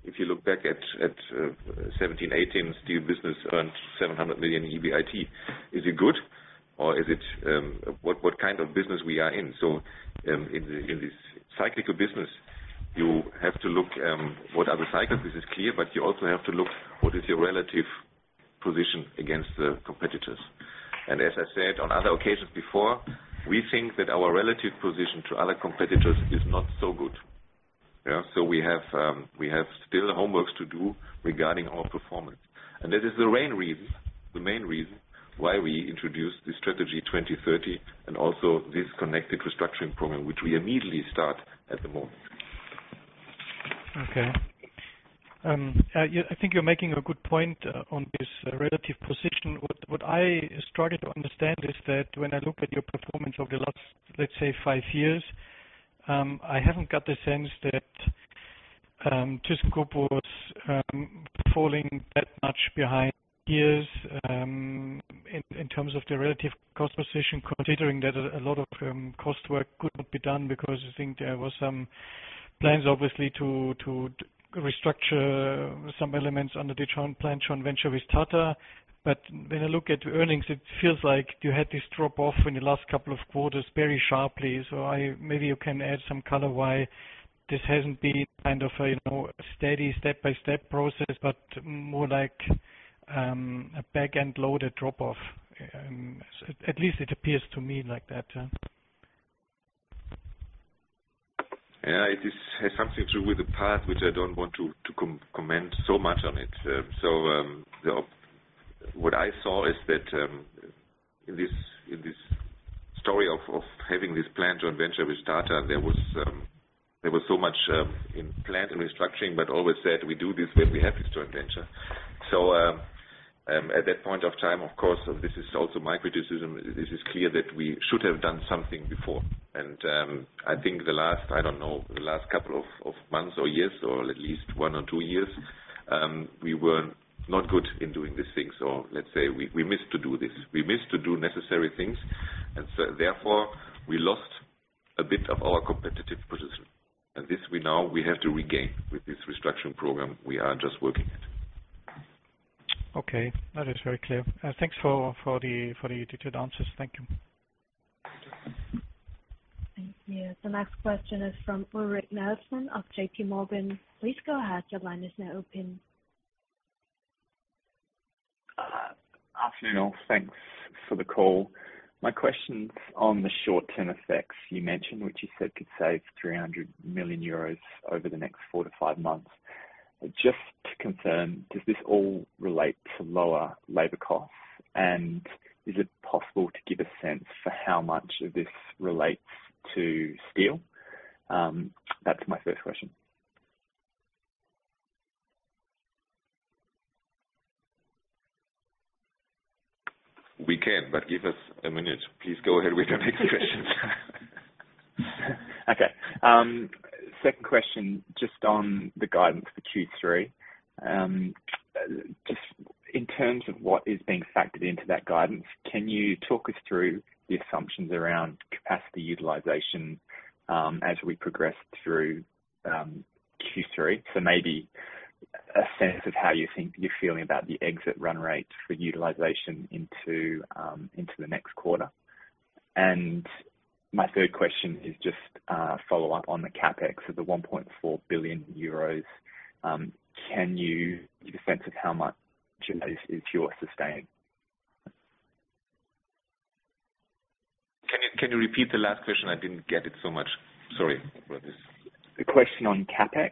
if you look back at 2017, 2018, steel business earned 700 million EBIT, is it good, or is it what kind of business we are in? So in this cyclical business, you have to look what are the cycles. This is clear, but you also have to look what is your relative position against the competitors. And as I said on other occasions before, we think that our relative position to other competitors is not so good. So we have still homework to do regarding our performance. And this is the main reason why we introduced the Strategy 2030 and also this connected restructuring program, which we immediately start at the moment. Okay. I think you're making a good point on this relative position. What I struggle to understand is that when I look at your performance over the last, let's say, five years, I haven't got the sense that thyssenkrupp was falling that much behind years in terms of the relative cost position, considering that a lot of cost work could not be done because I think there were some plans, obviously, to restructure some elements under the Joint Plan, Joint Venture with Tata. But when I look at the earnings, it feels like you had this drop-off in the last couple of quarters very sharply. So maybe you can add some color why this hasn't been kind of a steady step-by-step process, but more like a back-end loaded drop-off. At least it appears to me like that. Yeah. It has something to do with the path, which I don't want to comment so much on it. So what I saw is that in this story of having this planned joint venture with Tata, there was so much planned restructuring, but always said, we do this when we have this joint venture. So at that point of time, of course, this is also my criticism. This is clear that we should have done something before. And I think the last, I don't know, the last couple of months or years, or at least one or two years, we were not good in doing these things. So let's say we missed to do this. We missed to do necessary things. And therefore, we lost a bit of our competitive position. And this we now, we have to regain with this restructuring program. We are just working at it. Okay. That is very clear. Thanks for the detailed answers. Thank you. Thank you. The next question is from Luke Nelson of J.P. Morgan. Please go ahead. Your line is now open. Afternoon. Thanks for the call. My question's on the short-term effects you mentioned, which you said could save 300 million euros over the next four to five months. Just to confirm, does this all relate to lower labor costs? And is it possible to give a sense for how much of this relates to steel? That's my first question. We can, but give us a minute. Please go ahead with the next question. Okay. Second question, just on the guidance for Q3. Just in terms of what is being factored into that guidance, can you talk us through the assumptions around capacity utilization as we progress through Q3? So maybe a sense of how you're feeling about the exit run rate for utilization into the next quarter. And my third question is just a follow-up on the CapEx of 1.4 billion euros. Can you give a sense of how much of this is pure sustaining? Can you repeat the last question? I didn't get it so much. Sorry about this. The question on CapEx,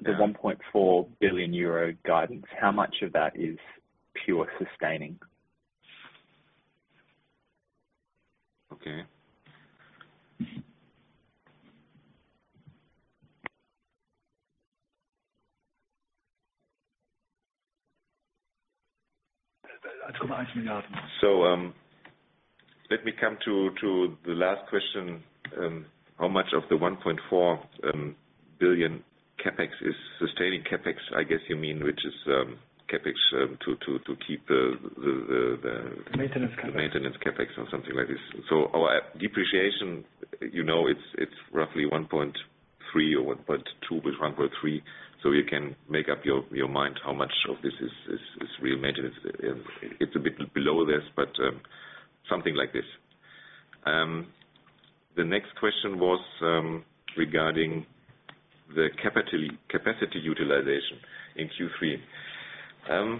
the 1.4 billion euro guidance, how much of that is pure sustaining? Okay, so let me come to the last question. How much of the 1.4 billion CapEx is sustaining? CapEx, I guess you mean, which is CapEx to keep the. Maintenance CapEx. Maintenance CapEx or something like this. So our depreciation, you know it's roughly 1.3 or 1.2, 1.3. So you can make up your mind how much of this is real maintenance. It's a bit below this, but something like this. The next question was regarding the capacity utilization in Q3.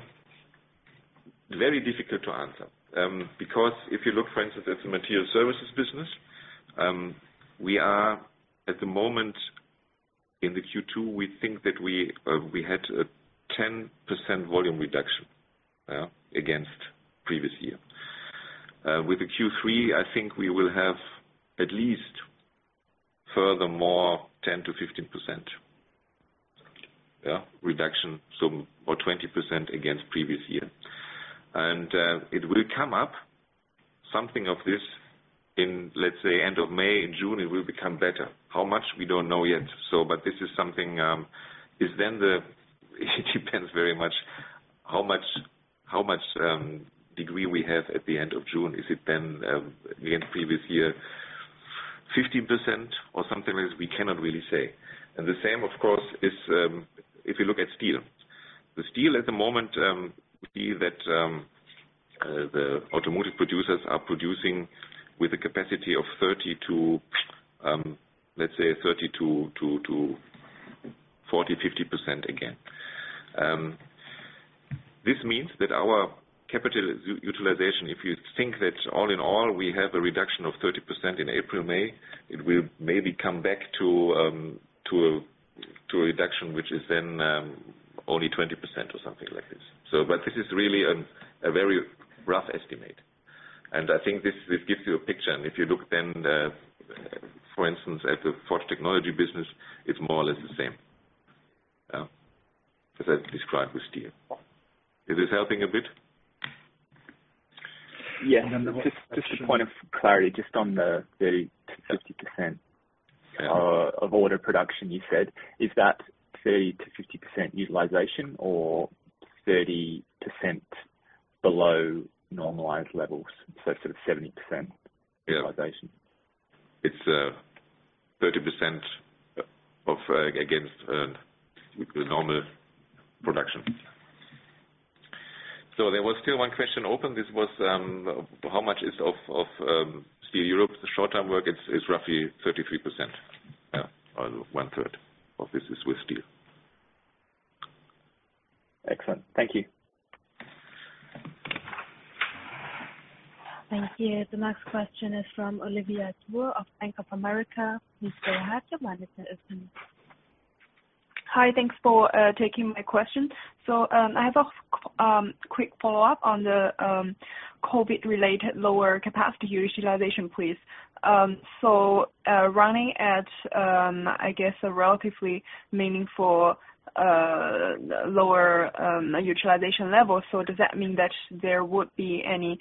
Very difficult to answer because if you look, for instance, at the Materials Services business, we are at the moment in the Q2, we think that we had a 10% volume reduction against previous year. With the Q3, I think we will have at least furthermore 10%-15% reduction, or 20% against previous year, and it will come up, something of this in, let's say, end of May, June, it will become better. How much, we don't know yet. But this is something. It depends very much on how much leeway we have at the end of June. Is it then against previous year 15% or something like this? We cannot really say, and the same, of course, is if you look at steel. The steel at the moment, we see that the automotive producers are producing with a capacity of 30%-50% again. This means that our capacity utilization, if you think that all in all we have a reduction of 30% in April, May, it will maybe come back to a reduction which is then only 20% or something like this. But this is really a very rough estimate, and I think this gives you a picture. If you look then, for instance, at the Automotive Technology business, it's more or less the same as I described with steel. Is this helping a bit? Yeah. Just a point of clarity, just on the 30%-50% of order production, you said, is that 30%-50% utilization or 30% below normalized levels, so sort of 70% utilization? Yeah. It's 30% against the normal production. So there was still one question open. This was how much is of Steel Europe? The short-time work is roughly 33%, or one-third of this is with steel. Excellent. Thank you. Thank you. The next question is from Olivia Dewar of Bank of America. Please go ahead. Your line is now open. Hi. Thanks for taking my question. So I have a quick follow-up on the COVID-related lower capacity utilization, please. So running at, I guess, a relatively meaningful lower utilization level, so does that mean that there would be any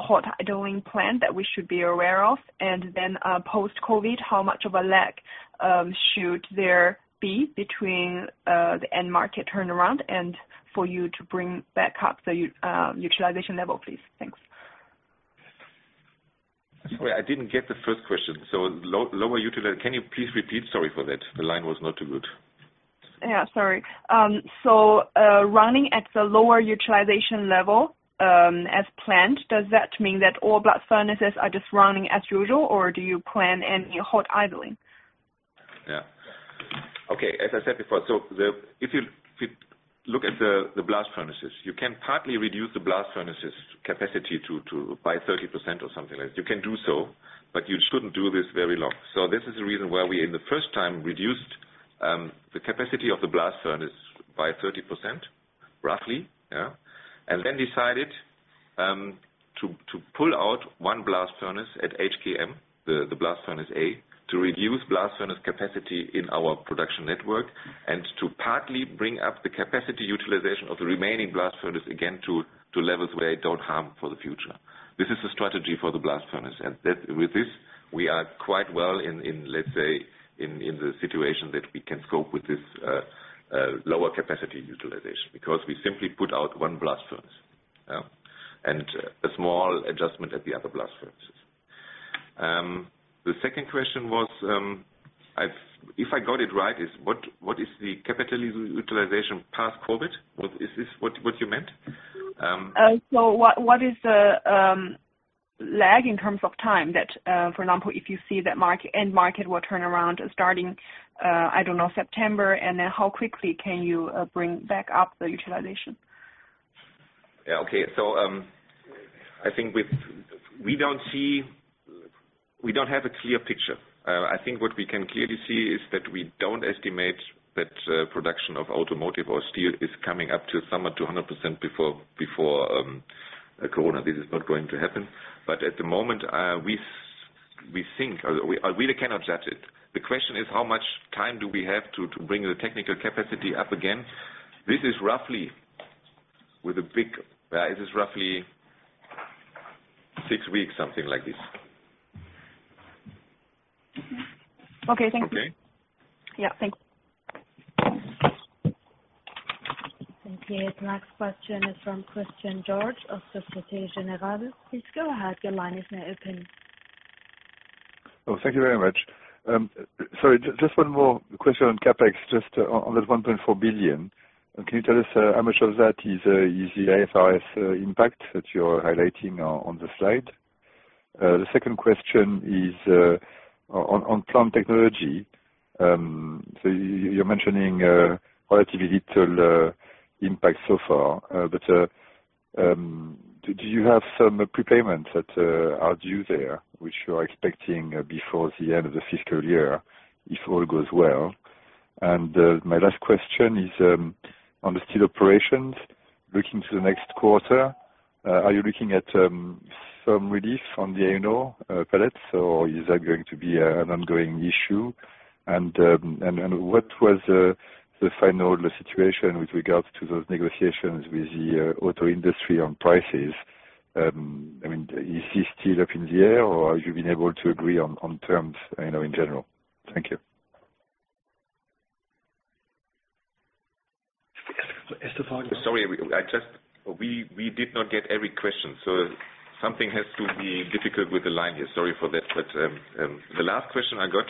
hot idling plan that we should be aware of? And then post-COVID, how much of a lag should there be between the end market turnaround and for you to bring back up the utilization level, please? Thanks. Sorry, I didn't get the first question. So, lower utilization, can you please repeat? Sorry for that. The line was not too good. Yeah. Sorry, so running at the lower utilization level as planned, does that mean that all blast furnaces are just running as usual, or do you plan any hot idling? Yeah. Okay. As I said before, so if you look at the blast furnaces, you can partly reduce the blast furnaces' capacity by 30% or something like this. You can do so, but you shouldn't do this very long. So this is the reason why we, in the first time, reduced the capacity of the blast furnace by 30%, roughly, and then decided to pull out one blast furnace at HKM, the blast furnace A, to reduce blast furnace capacity in our production network and to partly bring up the capacity utilization of the remaining blast furnace again to levels where it don't harm for the future. This is the strategy for the blast furnace. With this, we are quite well in, let's say, in the situation that we can cope with this lower capacity utilization because we simply put out one blast furnace and a small adjustment at the other blast furnaces. The second question was, if I got it right, is what is the capacity utilization post-COVID? Is this what you meant? So what is the lag in terms of time that, for example, if you see that end market will turn around starting, I don't know, September, and then how quickly can you bring back up the utilization? Yeah. Okay. So I think we don't have a clear picture. I think what we can clearly see is that we don't estimate that production of automotive or steel is coming up to somewhere to 100% before corona. This is not going to happen. But at the moment, we think we really cannot judge it. The question is, how much time do we have to bring the technical capacity up again? This is roughly six weeks, something like this. Okay. Thank you. Okay? Yeah. Thank you. Thank you. The next question is from Christian Georges of Société Générale. Please go ahead. Your line is now open. Oh, thank you very much. Sorry, just one more question on CapEx, just on that 1.4 billion. Can you tell us how much of that is the IFRS impact that you're highlighting on the slide? The second question is on Plant Technology. So you're mentioning relatively little impact so far. But do you have some prepayments that are due there, which you're expecting before the end of the fiscal year if all goes well? And my last question is on the steel operations, looking to the next quarter, are you looking at some relief on the iron ore pellets, or is that going to be an ongoing issue? And what was the final situation with regards to those negotiations with the auto industry on prices? I mean, is this still up in the air, or have you been able to agree on terms in general? Thank you. Sorry, we did not get every question, so something has to be difficult with the line here. Sorry for that, but the last question I got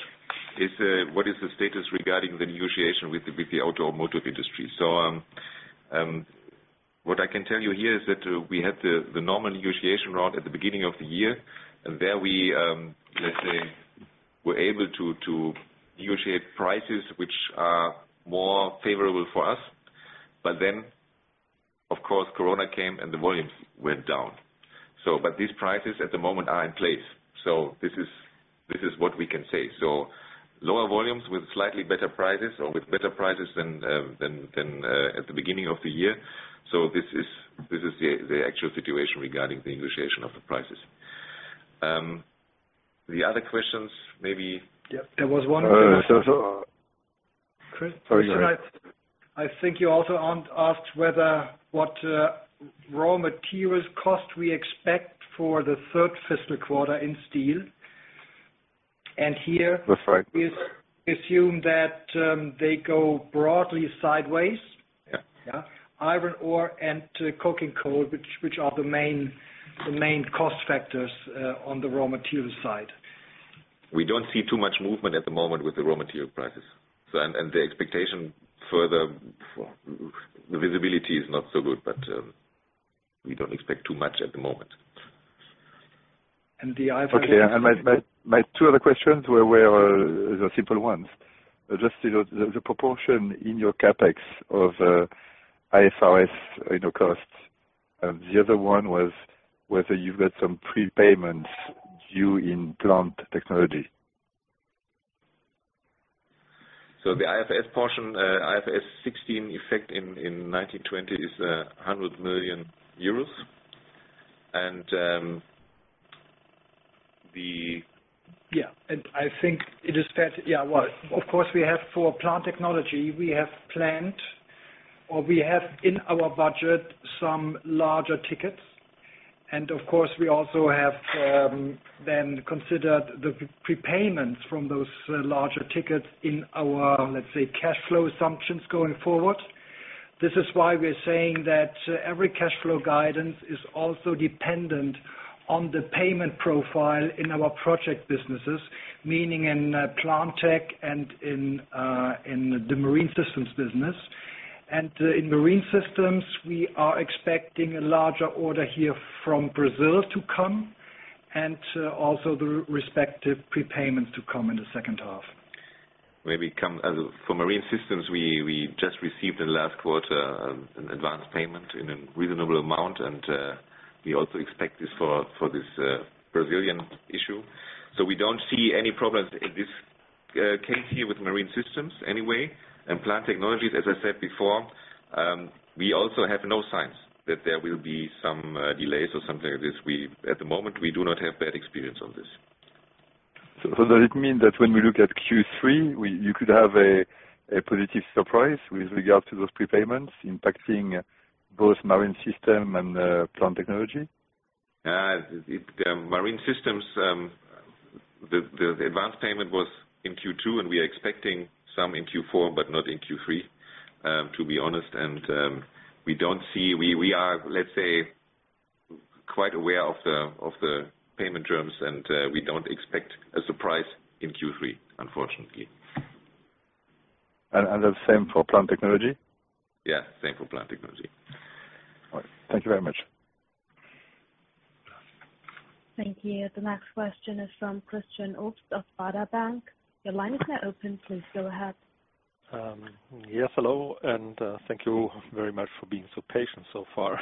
is, what is the status regarding the negotiation with the automotive industry, so what I can tell you here is that we had the normal negotiation round at the beginning of the year, and there we, let's say, were able to negotiate prices which are more favorable for us, but then, of course, corona came and the volumes went down, but these prices at the moment are in place, so this is what we can say, so lower volumes with slightly better prices or with better prices than at the beginning of the year, so this is the actual situation regarding the negotiation of the prices. The other questions, maybe. Yeah. There was one more. Sorry. I think you also asked what raw materials cost we expect for the third fiscal quarter in steel, and here. That's right. We assume that they go broadly sideways. Yeah. Yeah. Iron ore and coking coal, which are the main cost factors on the raw material side. We don't see too much movement at the moment with the raw material prices, and the expectation further, the visibility is not so good, but we don't expect too much at the moment. The IFRS. Okay. And my two other questions were simple ones. Just the proportion in your CapEx of IFRS costs. The other one was whether you've got some prepayments due in plant technology. So the IFRS portion, IFRS 16 effect in 1920 is EUR 100 million. And the. Yeah. And I think it is that. Yeah, well, of course, we have for Plant Technology. We have planned or we have in our budget some larger tickets. And of course, we also have then considered the prepayments from those larger tickets in our, let's say, cash flow assumptions going forward. This is why we're saying that every cash flow guidance is also dependent on the payment profile in our project businesses, meaning in Plant Tech and in the Marine Systems business. And in Marine Systems, we are expecting a larger order here from Brazil to come and also the respective prepayments to come in the second half. Maybe for Marine Systems, we just received in the last quarter an advance payment in a reasonable amount. And we also expect this for this Brazilian issue. So we don't see any problems in this case here with Marine Systems anyway. And Plant Technologies, as I said before, we also have no signs that there will be some delays or something like this. At the moment, we do not have bad experience on this. Does it mean that when we look at Q3, you could have a positive surprise with regards to those prepayments impacting both Marine Systems and Plant Technology? Marine Systems, the advance payment was in Q2, and we are expecting some in Q4, but not in Q3, to be honest, and we don't see, we are, let's say, quite aware of the payment terms, and we don't expect a surprise in Q3, unfortunately. And the same for plant technology? Yeah. Same for Plant Technology. All right. Thank you very much. Thank you. The next question is from Christian Obst of Baader Bank. Your line is now open. Please go ahead. Yes. Hello. And thank you very much for being so patient so far.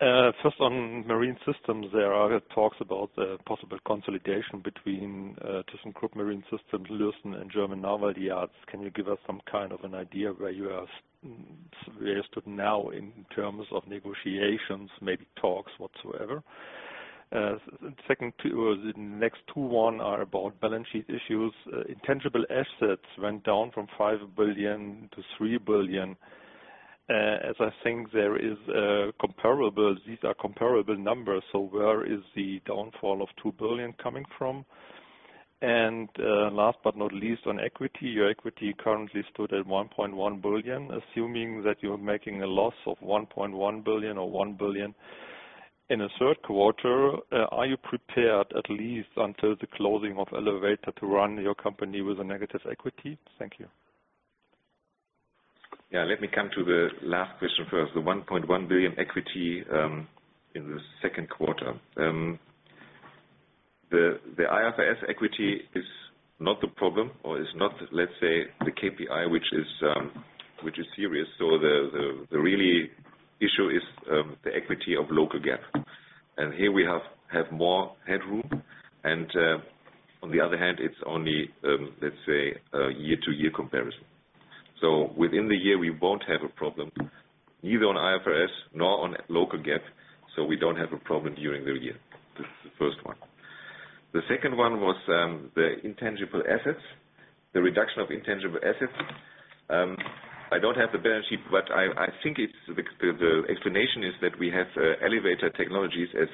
First, on Marine Systems, there are talks about the possible consolidation between thyssenkrupp Marine Systems, Lürssen, and German Naval Yards. Can you give us some kind of an idea where you are now in terms of negotiations, maybe talks whatsoever? The next two one are about balance sheet issues. Intangible assets went down from 5 billion to 3 billion. As I think there is comparable, these are comparable numbers. So where is the downfall of 2 billion coming from? And last but not least, on equity, your equity currently stood at 1.1 billion. Assuming that you're making a loss of 1.1 billion or 1 billion in the third quarter, are you prepared at least until the closing of Elevator to run your company with a negative equity? Thank you. Yeah. Let me come to the last question first. The 1.1 billion equity in the second quarter. The IFRS equity is not the problem or is not, let's say, the KPI, which is serious. So the real issue is the equity of local GAAP. And here we have more headroom. And on the other hand, it's only, let's say, a year-to-year comparison. So within the year, we won't have a problem, neither on IFRS nor on local GAAP. So we don't have a problem during the year. That's the first one. The second one was the intangible assets, the reduction of intangible assets. I don't have the balance sheet, but I think the explanation is that we have Elevator Technologies as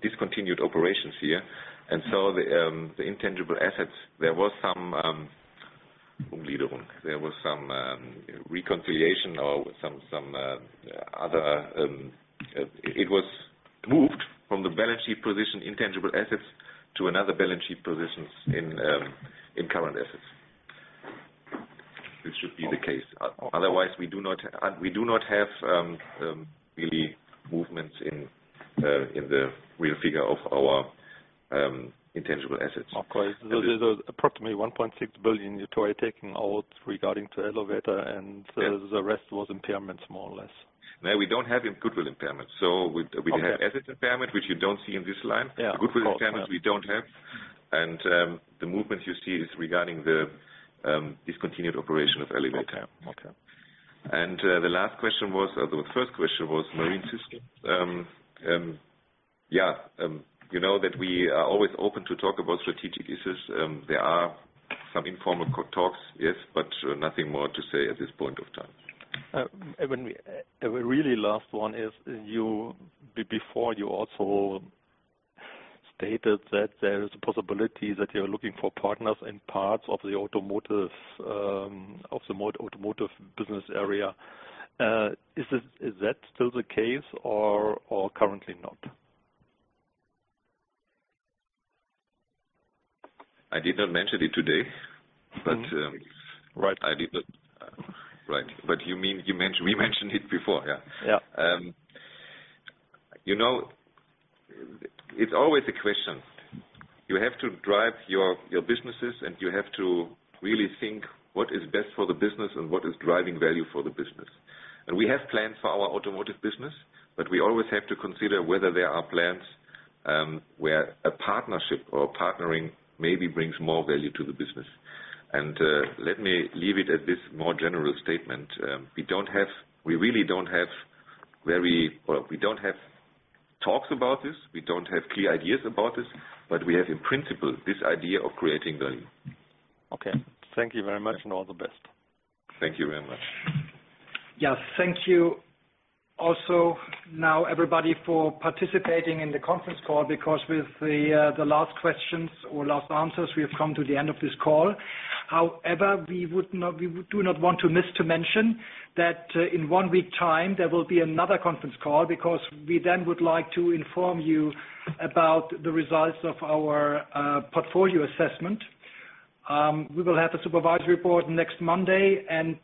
discontinued operations here. And so the intangible assets, there was some reconciliation or some other it was moved from the balance sheet position, intangible assets, to another balance sheet position in current assets. This should be the case. Otherwise, we do not have really movements in the real figure of our intangible assets. Of course. So there's approximately 1.6 billion you're taking out regarding to Elevator, and the rest was impairments, more or less. No, we don't have goodwill impairments. So we have asset impairment, which you don't see in this line. The goodwill impairments, we don't have. And the movement you see is regarding the discontinued operation of Elevator. Okay. Okay. The last question was. The first question was Marine Systems. Yeah. You know that we are always open to talk about strategic issues. There are some informal talks, yes, but nothing more to say at this point of time. And really, last one is before you also stated that there is a possibility that you're looking for partners in parts of the automotive business area. Is that still the case or currently not? I did not mention it today. Right. But you mean we mentioned it before, yeah. It's always a question. You have to drive your businesses, and you have to really think what is best for the business and what is driving value for the business, and we have plans for our automotive business, but we always have to consider whether there are plans where a partnership or partnering maybe brings more value to the business, and let me leave it at this more general statement. We really don't have talks about this. We don't have clear ideas about this, but we have, in principle, this idea of creating value. Okay. Thank you very much and all the best. Thank you very much. Yes. Thank you also now, everybody, for participating in the conference call because with the last questions or last answers, we have come to the end of this call. However, we do not want to miss to mention that in one week's time, there will be another conference call because we then would like to inform you about the results of our portfolio assessment. We will have a Supervisory Board report next Monday, and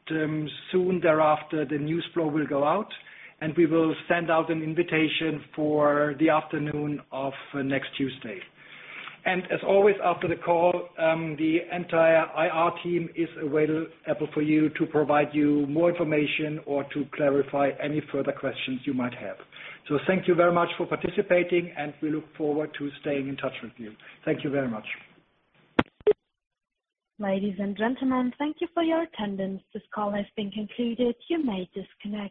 soon thereafter, the news flow will go out, and we will send out an invitation for the afternoon of next Tuesday, and as always, after the call, the entire IR team is available for you to provide you more information or to clarify any further questions you might have, so thank you very much for participating, and we look forward to staying in touch with you. Thank you very much. Ladies and gentlemen, thank you for your attendance. This call has been concluded. You may disconnect.